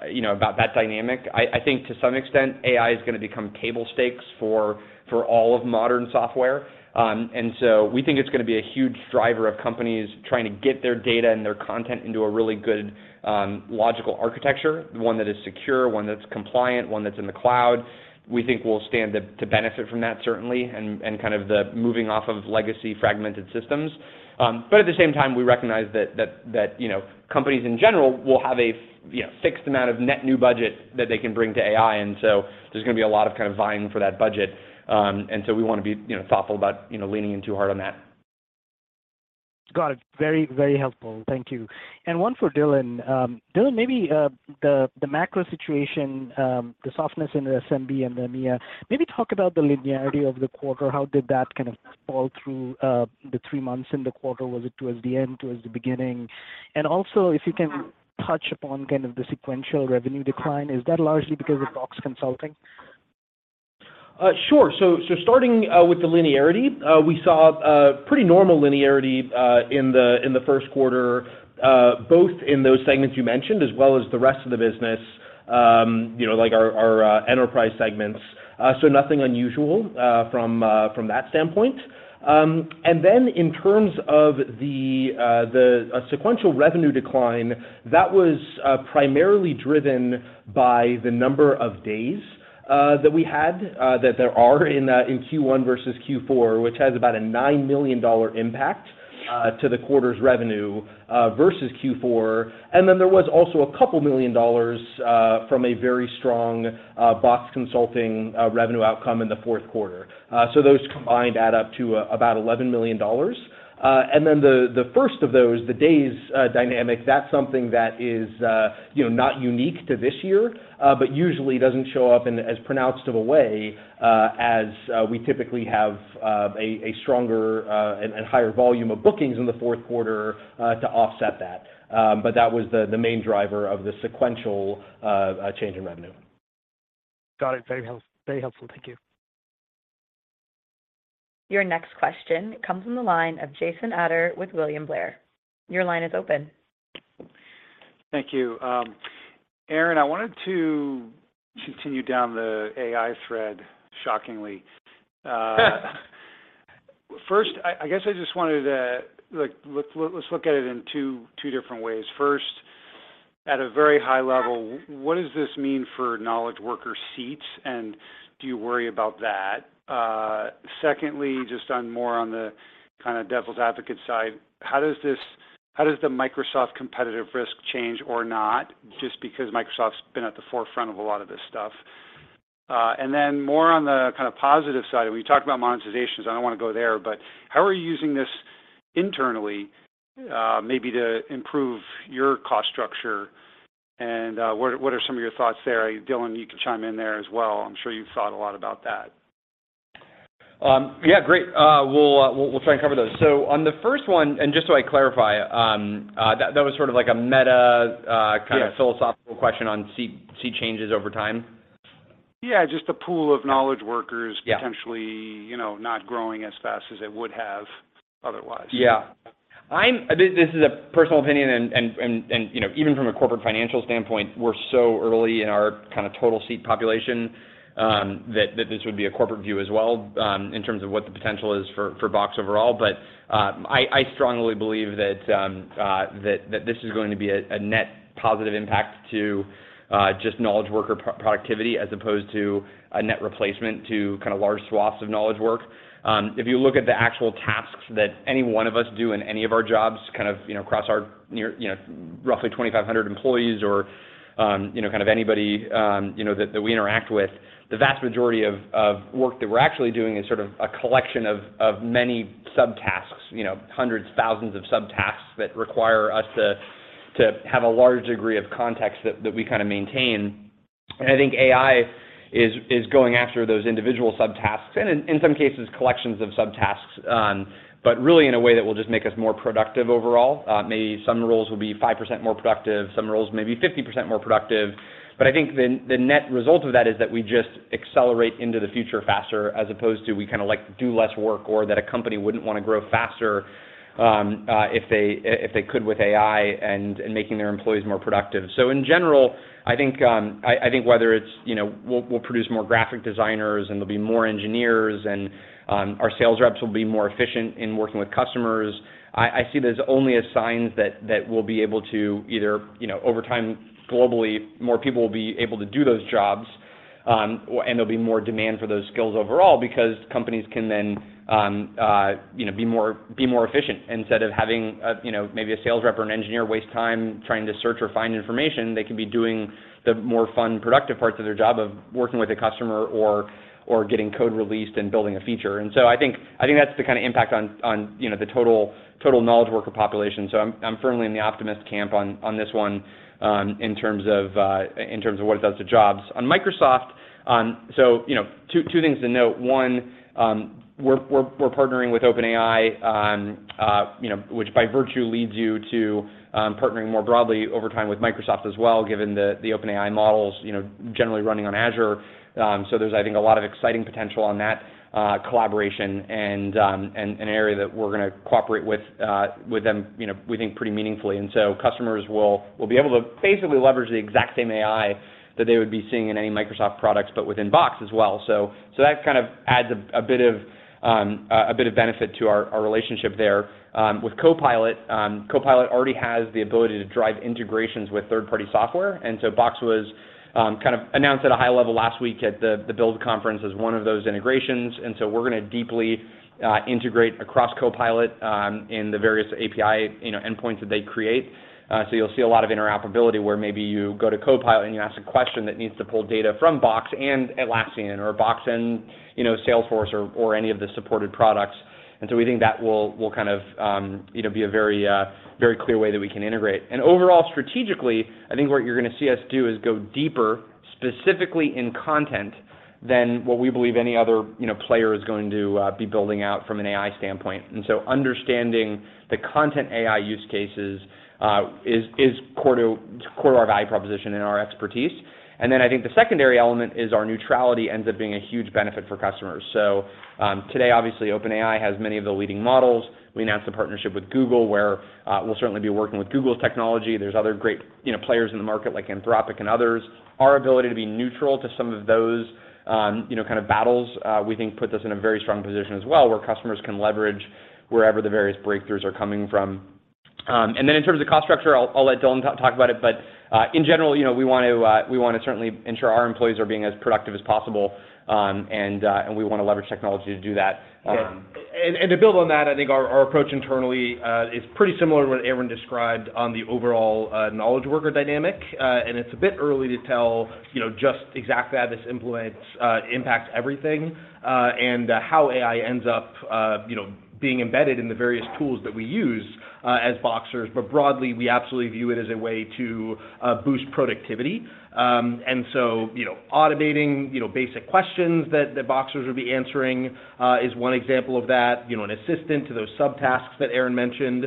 you know, about that dynamic. I think to some extent, AI is gonna become table stakes for all of modern software. We think it's gonna be a huge driver of companies trying to get their data and their content into a really good logical architecture, one that is secure, one that's compliant, one that's in the cloud. We think we'll stand to benefit from that, certainly, and kind of the moving off of legacy fragmented systems. At the same time, we recognize that, you know, companies in general will have a, you know, fixed amount of net new budget that they can bring to AI, and so there's gonna be a lot of kind of vying for that budget. We wanna be, you know, thoughtful about, you know, leaning in too hard on that. Got it. Very, very helpful. Thank you. One for Dylan. Dylan, maybe the macro situation, the softness in the SMB and the EMEA, maybe talk about the linearity of the quarter. How did that kind of fall through the three months in the quarter? Was it towards the end, towards the beginning? Also, if you can touch upon kind of the sequential revenue decline, is that largely because of Box Consulting? Sure. Starting with the linearity, we saw pretty normal linearity in the Q1, both in those segments you mentioned, as well as the rest of the business, you know, like our enterprise segments. Nothing unusual from that standpoint. In terms of the sequential revenue decline, that was primarily driven by the number of days that we had that there are in Q1 versus Q4, which has about a $9 million impact to the quarter's revenue versus Q4. There was also a couple million dollars from a very strong Box Consulting revenue outcome in the Q4. Those combined add up to about $11 million. The, the first of those, the days, dynamic, that's something that is, you know, not unique to this year, but usually doesn't show up in as pronounced of a way, as we typically have a stronger, and higher volume of bookings in the Q4, to offset that. That was the main driver of the sequential, change in revenue. Got it. Very helpful, very helpful. Thank you. Your next question comes from the line of Jason Ader with William Blair. Your line is open. Thank you. Aaron, I wanted to continue down the AI thread, shockingly. First, I guess I just wanted to, like, let's look at it in two different ways. First, at a very high level, what does this mean for knowledge worker seats, and do you worry about that? Secondly, just on more on the kind of devil's advocate side, how does the Microsoft competitive risk change or not? Just because Microsoft's been at the forefront of a lot of this stuff and then more on the kind of positive side, when you talk about monetizations, I don't want to go there, but how are you using this internally, maybe to improve your cost structure? What are some of your thoughts there? Dylan, you can chime in there as well. I'm sure you've thought a lot about that. Yeah, great. We'll try and cover those. On the first one, and just so I clarify, that was sort of like a meta, kind of. Yeah philosophical question on see changes over time? Yeah, just the pool of knowledge workers. Yeah potentially, you know, not growing as fast as it would have otherwise. Yeah. This is a personal opinion, and, you know, even from a corporate financial standpoint, we're so early in our kind of total seat population, that this would be a corporate view as well, in terms of what the potential is for Box overall. I strongly believe that this is going to be a net positive impact to just knowledge worker productivity, as opposed to a net replacement to kind of large swaths of knowledge work. If you look at the actual tasks that any one of us do in any of our jobs, kind of, you know, across our near, you know, roughly 2,500 employees or, you know, kind of anybody, you know, that we interact with, the vast majority of work that we're actually doing is sort of a collection of many subtasks. You know, hundreds, thousands of subtasks that require us to have a large degree of context that we kind of maintain. I think AI is going after those individual subtasks, and in some cases, collections of subtasks, but really in a way that will just make us more productive overall. Maybe some roles will be 5% more productive, some roles maybe 50% more productive. I think the net result of that is that we just accelerate into the future faster, as opposed to we kind of, like, do less work, or that a company wouldn't want to grow faster if they could with AI and making their employees more productive. In general, I think, I think whether it's, you know, we'll produce more graphic designers, and there'll be more engineers, and our sales reps will be more efficient in working with customers, I see this only as signs that we'll be able to either, you know, over time, globally, more people will be able to do those jobs, or there'll be more demand for those skills overall. Because companies can then, you know, be more efficient, instead of having a, you know, maybe a sales rep or an engineer waste time trying to search or find information, they can be doing the more fun, productive parts of their job of working with a customer or getting code released and building a feature. I think that's the kind of impact on, you know, the total knowledge worker population. I'm firmly in the optimist camp on this one, in terms of what it does to jobs. On Microsoft, you know, two things to note. One, we're partnering with OpenAI, you know, which by virtue leads you to partnering more broadly over time with Microsoft as well, given the OpenAI models, you know, generally running on Azure. There's, I think, a lot of exciting potential on that collaboration and an area that we're gonna cooperate with them, you know, we think pretty meaningfully. Customers will be able to basically leverage the exact same AI that they would be seeing in any Microsoft products, but within Box as well. That kind of adds a bit of benefit to our relationship there. With Copilot already has the ability to drive integrations with third-party software. Box was kind of announced at a high level last week at the Microsoft Build as one of those integrations. We're gonna deeply integrate across Copilot in the various API, you know, endpoints that they create. You'll see a lot of interoperability, where maybe you go to Copilot and you ask a question that needs to pull data from Box and Atlassian, or Box and, you know, Salesforce or any of the supported products. We think that will kind of, you know, be a very, very clear way that we can integrate. Overall, strategically, I think what you're gonna see us do is go deeper, specifically in content, than what we believe any other, you know, player is going to be building out from an AI standpoint. Understanding the content AI use cases is core to our value proposition and our expertise. Then I think the secondary element is our neutrality ends up being a huge benefit for customers. Today, obviously, OpenAI has many of the leading models. We announced a partnership with Google, where we'll certainly be working with Google's technology. There's other great, you know, players in the market, like Anthropic and others. Our ability to be neutral to some of those, you know, kind of battles, we think puts us in a very strong position as well, where customers can leverage wherever the various breakthroughs are coming from. Then in terms of cost structure, I'll let Dylan talk about it, but in general, you know, we want to, we wanna certainly ensure our employees are being as productive as possible, and we wanna leverage technology to do that. To build on that, I think our approach internally is pretty similar to what Aaron described on the overall knowledge worker dynamic. It's a bit early to tell, you know, just exactly how this impacts everything, and how AI ends up, you know, being embedded in the various tools that we use, as Boxers. Broadly, we absolutely view it as a way to boost productivity. You know, automating, you know, basic questions that Boxers would be answering, is one example of that, you know, an assistant to those subtasks that Aaron mentioned.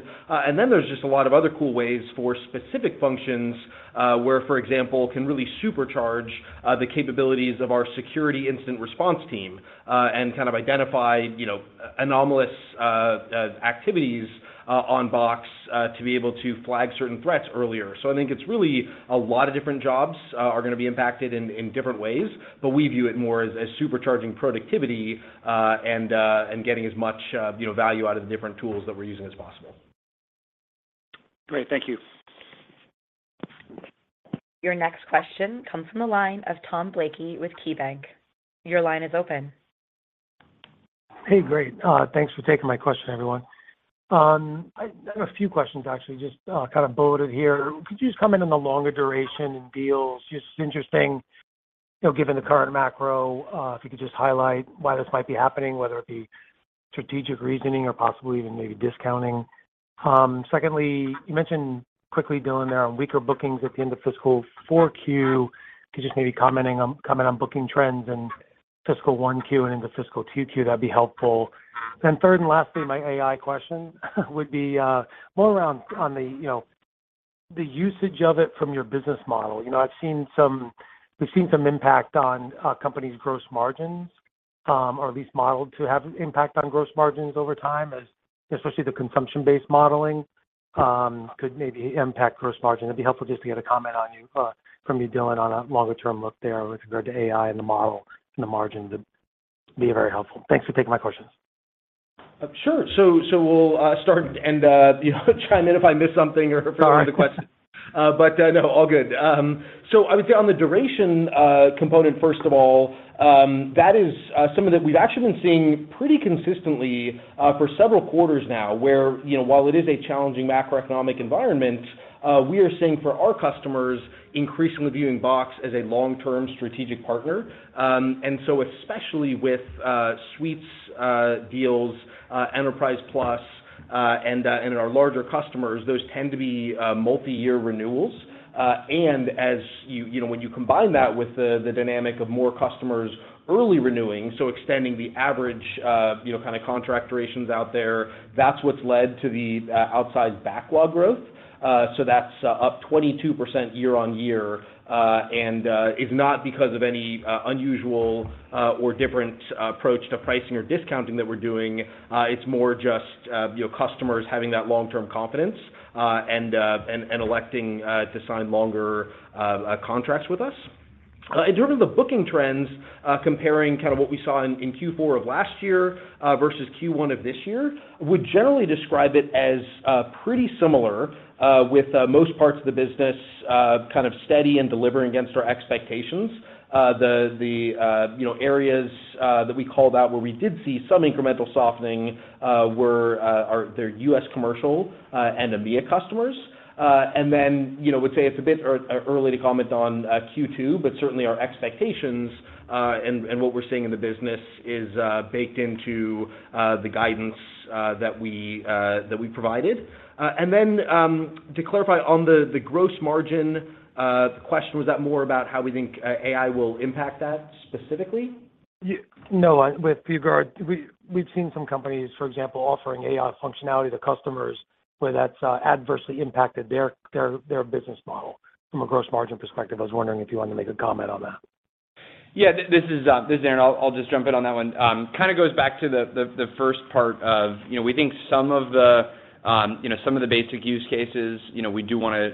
There's just a lot of other cool ways for specific functions, where, for example, can really supercharge the capabilities of our security incident response team, and kind of identify, you know, anomalous activities on Box, to be able to flag certain threats earlier. I think it's really a lot of different jobs, are gonna be impacted in different ways, but we view it more as supercharging productivity, and getting as much, you know, value out of the different tools that we're using as possible. Great. Thank you. Your next question comes from the line of Tom Blakey with KeyBanc. Your line is open. Hey, great. Thanks for taking my question, everyone. I have a few questions, actually, just kind of bulleted here. Could you just comment on the longer duration and deals? Just interesting, you know, given the current macro, if you could just highlight why this might be happening, whether it be strategic reasoning or possibly even maybe discounting. Secondly, you mentioned quickly, Dylan, there are weaker bookings at the end of fiscal Q4. Could you just maybe comment on booking trends in fiscal Q1 and into fiscal Q2, that'd be helpful? Third and lastly, my AI question would be more around on the, you know, the usage of it from your business model. You know, we've seen some impact on companies' gross margins, or at least modeled to have impact on gross margins over time, as especially the consumption-based modeling could maybe impact gross margin. It'd be helpful just to get a comment from you, Dylan, on a longer-term look there with regard to AI and the model and the margin. That'd be very helpful. Thanks for taking my questions. Sure. We'll start and, you know, try and identify if I miss something. Got it.... the question. No, all good. I would say on the duration component, first of all, that is something that we've actually been seeing pretty consistently for several quarters now, where, you know, while it is a challenging macroeconomic environment, we are seeing for our customers increasingly viewing Box as a long-term strategic partner. Especially with suites deals, Enterprise Plus, and our larger customers, those tend to be multiyear renewals. You know, when you combine that with the dynamic of more customers early renewing, so extending the average, you know, kind of contract durations out there, that's what's led to the outsized backlog growth. That's up 22% year-over-year, and is not because of any unusual or different approach to pricing or discounting that we're doing. It's more just, you know, customers having that long-term confidence, and electing to sign longer contracts with us. In terms of the booking trends, comparing kind of what we saw in Q4 of last year versus Q1 of this year, we generally describe it as pretty similar with most parts of the business kind of steady and delivering against our expectations. The, the, you know, areas that we called out where we did see some incremental softening were, they're US commercial and EMEA customers. You know, would say it's a bit early to comment on Q2, but certainly our expectations, and what we're seeing in the business is baked into the guidance that we provided. To clarify on the gross margin question, was that more about how we think AI will impact that specifically? No, with regard, we've seen some companies, for example, offering AI functionality to customers, where that's adversely impacted their business model from a gross margin perspective. I was wondering if you wanted to make a comment on that. Yeah, this is Aaron. I'll just jump in on that one. Kind of goes back to the first part of, you know, we think some of the, you know, some of the basic use cases, you know, we do wanna,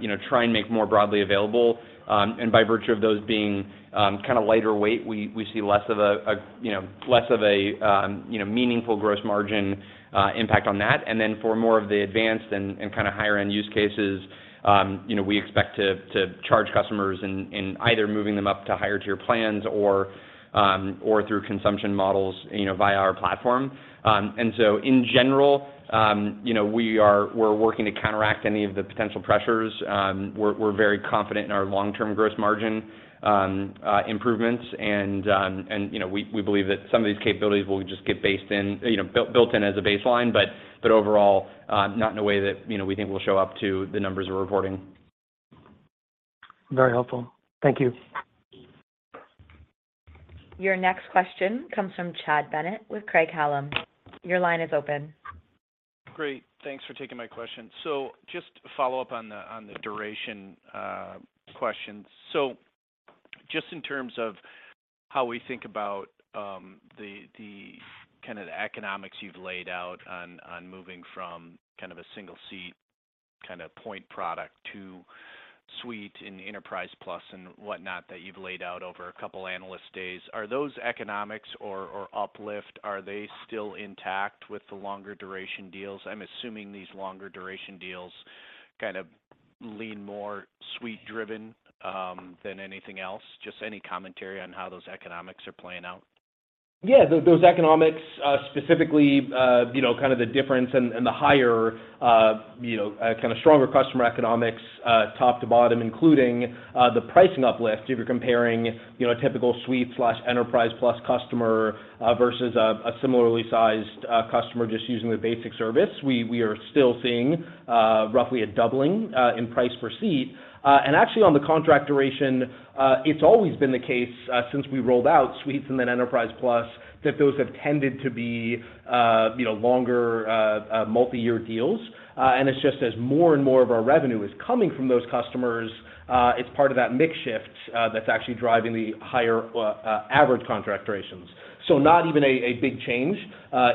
you know, try and make more broadly available. By virtue of those being, kind of lighter weight, we see less of a, you know, less of a, you know, meaningful gross margin impact on that. For more of the advanced and kind of higher-end use cases, you know, we expect to charge customers and either moving them up to higher tier plans or through consumption models, you know, via our platform. In general, you know, we're working to counteract any of the potential pressures. We're, we're very confident in our long-term gross margin improvements. You know, we believe that some of these capabilities will just get built in as a baseline, but overall, not in a way that, you know, we think will show up to the numbers we're reporting. Very helpful. Thank you. Your next question comes from Chad Bennett with Craig-Hallum. Your line is open. Great. Thanks for taking my question. Just to follow up on the duration question. Just in terms of how we think about the kind of economics you've laid out on moving from kind of a single seat, kind of point product to Suite and Enterprise Plus and whatnot, that you've laid out over a couple of analyst days. Are those economics or uplift, are they still intact with the longer duration deals? I'm assuming these longer duration deals kind of lean more Suite driven than anything else. Just any commentary on how those economics are playing out? Yeah, those economics, specifically, you know, kind of the difference and the higher, you know, kind of stronger customer economics, top to bottom, including the pricing uplift. If you're comparing, you know, a typical Suite/Enterprise Plus customer, versus a similarly sized customer just using the basic service, we are still seeing roughly a doubling in price per seat. Actually, on the contract duration, it's always been the case, since we rolled out Suites and then Enterprise Plus, that those have tended to be, you know, longer, multiyear deals. It's just as more and more of our revenue is coming from those customers, it's part of that mix shift, that's actually driving the higher average contract durations. Not even a big change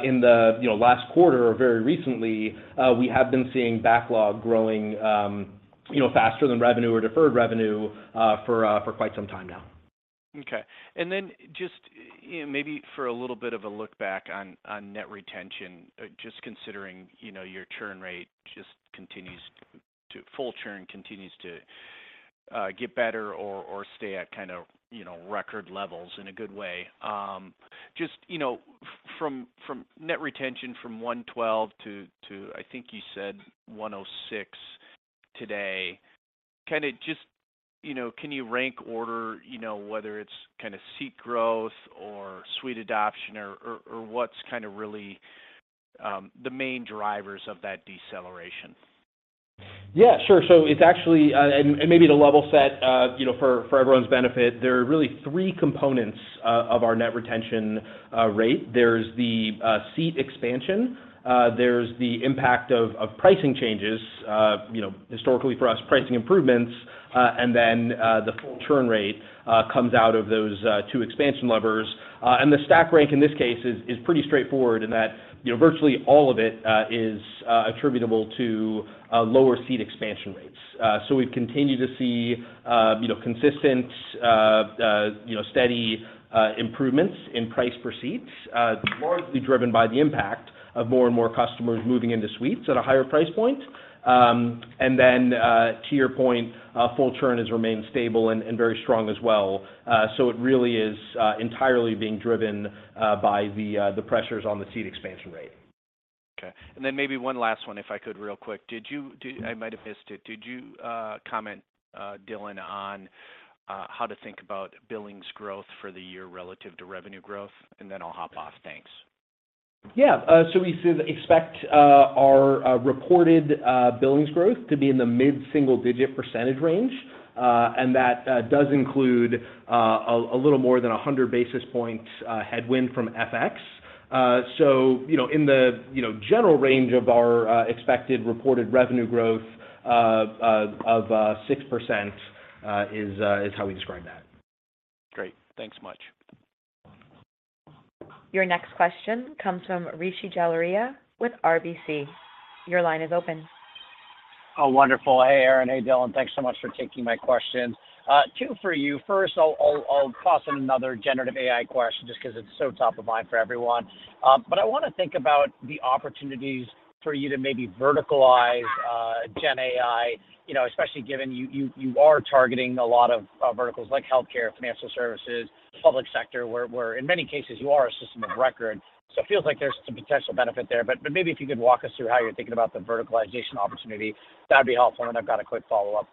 in the, you know, last quarter or very recently, we have been seeing backlog growing, you know, faster than revenue or deferred revenue, for quite some time now. Okay. Just, maybe for a little bit of a look back on net retention, just considering, you know, your churn rate just full churn continues to get better or stay at kind of, you know, record levels in a good way. Just, you know, from net retention from 112% to, I think you said 106% today, kind of just, you know, can you rank order, you know, whether it's kind of seat growth or suite adoption or what's kind of really the main drivers of that deceleration? Yeah, sure. It's actually, and maybe to level set, you know, for everyone's benefit, there are really three components of our net retention rate. There's the seat expansion, there's the impact of pricing changes, you know, historically for us, pricing improvements, and then the full churn rate comes out of those two expansion levers. The stack rank in this case is pretty straightforward in that, you know, virtually all of it is attributable to lower seat expansion rates. We continue to see, you know, consistent, you know, steady improvements in price per seat, largely driven by the impact of more and more customers moving into suites at a higher price point. To your point, full churn has remained stable and very strong as well. It really is entirely being driven by the pressures on the seat expansion rate. Okay, maybe one last one, if I could, real quick. I might have missed it: did you comment, Dylan, on how to think about billings growth for the year relative to revenue growth? I'll hop off. Thanks. So we expect our reported billings growth to be in the mid-single-digit percentage range. That does include a little more than 100 basis points headwind from FX. You know, in the, you know, general range of our expected reported revenue growth of 6%, is how we describe that. Great. Thanks much. Your next question comes from Rishi Jaluria with RBC. Your line is open. Oh, wonderful. Hey, Aaron. Hey, Dylan. Thanks so much for taking my questions. Two for you. First, I'll toss in another generative AI question just 'cause it's so top of mind for everyone. I wanna think about the opportunities for you to maybe verticalize Gen AI, you know, especially given you are targeting a lot of verticals like healthcare, financial services, public sector, where in many cases you are a system of record. It feels like there's some potential benefit there, but maybe if you could walk us through how you're thinking about the verticalization opportunity, that'd be helpful. I've got a quick follow-up.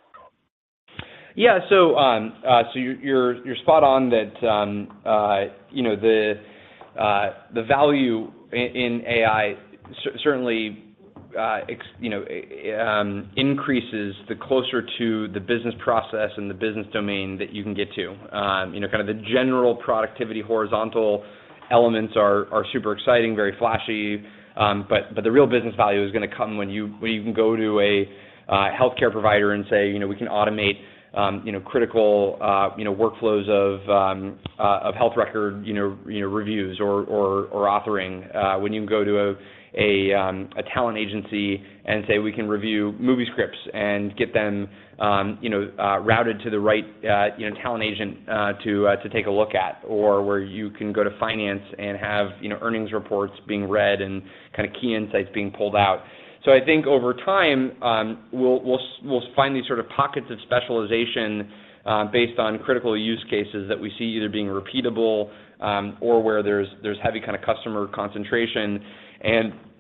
Yeah. You're spot on that, you know, the value in AI certainly, you know, increases the closer to the business process and the business domain that you can get to. You know, kind of the general productivity, horizontal elements are super exciting, very flashy, but the real business value is gonna come when you can go to a healthcare provider and say, you know, we can automate, you know, critical, you know, workflows of health record, you know, reviews or authoring. When you can go to a talent agency and say, "We can review movie scripts and get them, you know, routed to the right, you know, talent agent to take a look at," or where you can go to finance and have, you know, earnings reports being read and kind of key insights being pulled out. I think over time, we'll find these sort of pockets of specialization based on critical use cases that we see either being repeatable, or where there's heavy kind of customer concentration.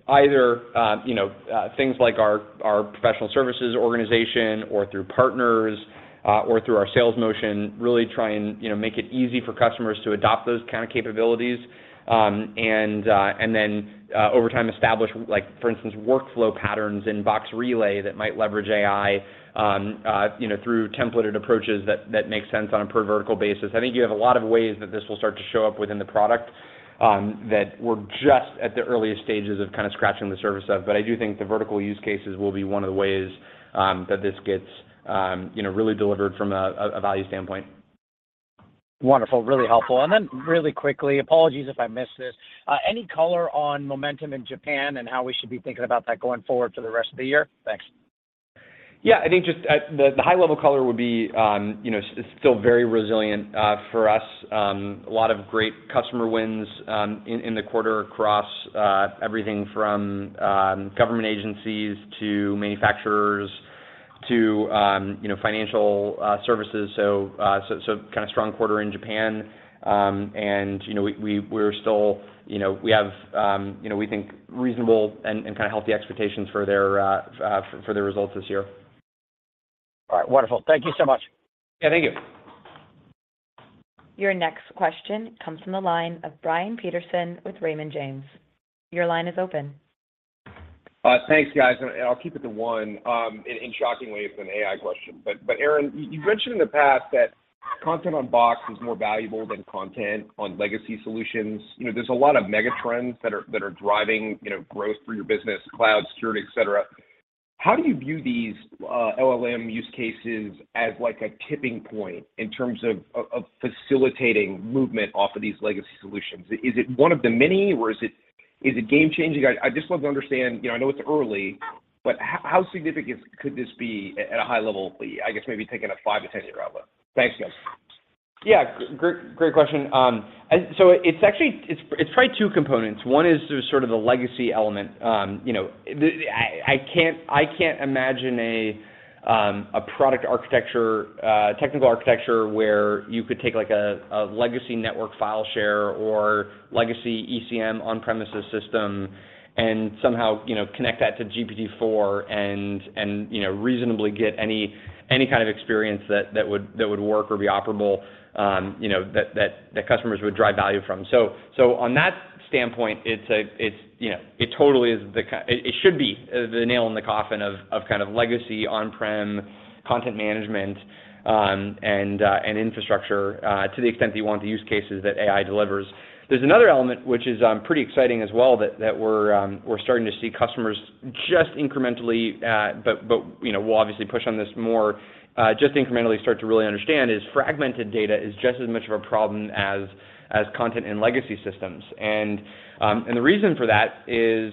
Either, you know, things like our professional services organization or through partners, or through our sales motion, really try and, you know, make it easy for customers to adopt those kind of capabilities. Over time, establish, like, for instance, workflow patterns in Box Relay that might leverage AI, you know, through templated approaches that make sense on a per vertical basis. I think you have a lot of ways that this will start to show up within the product, that we're just at the earliest stages of kind of scratching the surface of. I do think the vertical use cases will be one of the ways, that this gets, you know, really delivered from a value standpoint. Wonderful. Really helpful. Really quickly, apologies if I missed this. Any color on momentum in Japan and how we should be thinking about that going forward for the rest of the year? Thanks. Yeah. I think just at the high level color would be you know it's still very resilient for us. A lot of great customer wins in the quarter across everything from government agencies to manufacturers to, you know, financial services. Kind of strong quarter in Japan. You know, we're still, you know, we have, you know, we think reasonable and kind of healthy expectations for their results this year. All right. Wonderful. Thank you so much. Yeah, thank you. Your next question comes from the line of Brian Peterson with Raymond James. Your line is open. Thanks, guys. I'll keep it to one. In shocking way, it's an AI question. Aaron, you've mentioned in the past that content on Box is more valuable than content on legacy solutions. You know, there's a lot of mega trends that are driving, you know, growth for your business, cloud, security, et cetera. How do you view these LLM use cases as like a tipping point in terms of facilitating movement off of these legacy solutions? Is it one of the many, or is it game changing? I'd just love to understand. You know, I know it's early, but how significant could this be at a high level, I guess maybe taking a five to ten. Thanks, guys. Yeah, great question. It's actually, it's probably two components. One is there's sort of the legacy element. You know, I can't imagine a product architecture, technical architecture, where you could take like a legacy network file share or legacy ECM on-premises system and somehow, you know, connect that to GPT-4 and, you know, reasonably get any kind of experience that would work or be operable, you know, that customers would drive value from. On that standpoint, it's, you know, it totally is it should be the nail in the coffin of kind of legacy on-prem content management and infrastructure to the extent that you want the use cases that AI delivers. There's another element, which is pretty exciting as well, that we're starting to see customers just incrementally. But, you know, we'll obviously push on this more, just incrementally start to really understand, is fragmented data is just as much of a problem as content and legacy systems. The reason for that is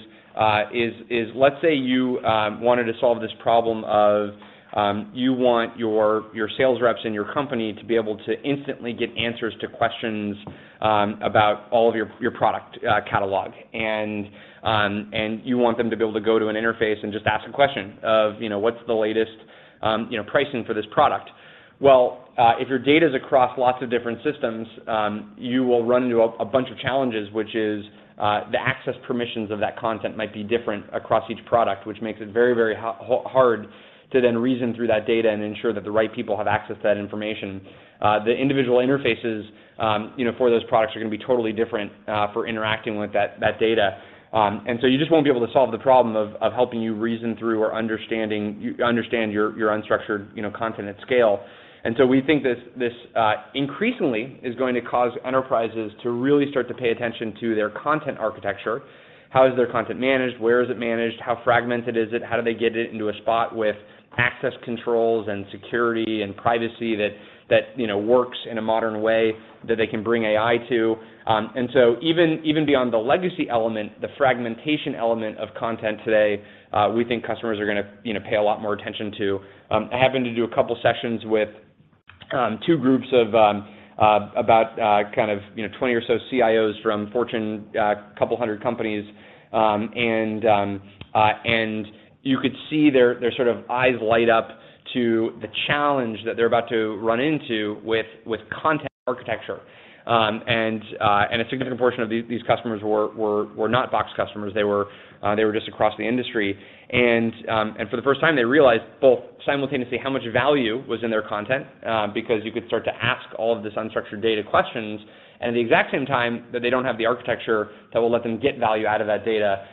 let's say you wanted to solve this problem of you want your sales reps and your company to be able to instantly get answers to questions about all of your product catalog. You want them to be able to go to an interface and just ask a question of, you know, "What's the latest, you know, pricing for this product?" Well, if your data's across lots of different systems, you will run into a bunch of challenges, which is, the access permissions of that content might be different across each product, which makes it very, very hard to then reason through that data and ensure that the right people have access to that information. The individual interfaces, you know, for those products are gonna be totally different, for interacting with that data. You just won't be able to solve the problem of helping you reason through or understanding you understand your unstructured, you know, content at scale. We think this, increasingly is going to cause enterprises to really start to pay attention to their content architecture. How is their content managed? Where is it managed? How fragmented is it? How do they get it into a spot with access controls and security and privacy that, you know, works in a modern way that they can bring AI to? Even, beyond the legacy element, the fragmentation element of content today, we think customers are gonna, you know, pay a lot more attention to. Um, I happened to do a couple of sessions with, um, two groups of, um, uh, about, uh, kind of, you know, twenty or so CIOs from Fortune, uh, couple hundred companies, um, and, um, uh, and you could see their, their sort of eyes light up to the challenge that they're about to run into with, with content architecture. Um, and, uh, and a significant portion of these, these customers were, were, were not Box customers. They were, uh, they were just across the industry. For the first time, they realized both simultaneously how much value was in their content, because you could start to ask all of this unstructured data questions, and the exact same time, that they don't have the architecture that will let them get value out of that data,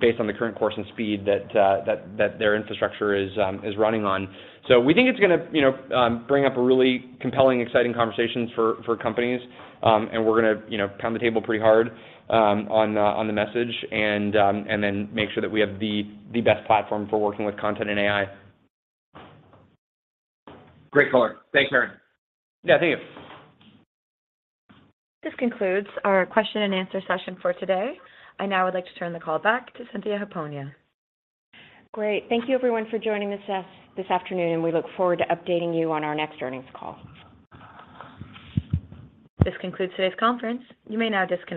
based on the current course and speed that their infrastructure is running on. We think it's gonna, you know, bring up a really compelling, exciting conversations for companies. We're gonna, you know, pound the table pretty hard on the message, and then make sure that we have the best platform for working with content and AI. Great call. Thanks, Aaron. Yeah, thank you. This concludes our question and answer session for today. I now would like to turn the call back to Cynthia Hiponia. Great. Thank you, everyone, for joining this afternoon. We look forward to updating you on our next earnings call. This concludes today's conference. You may now disconnect.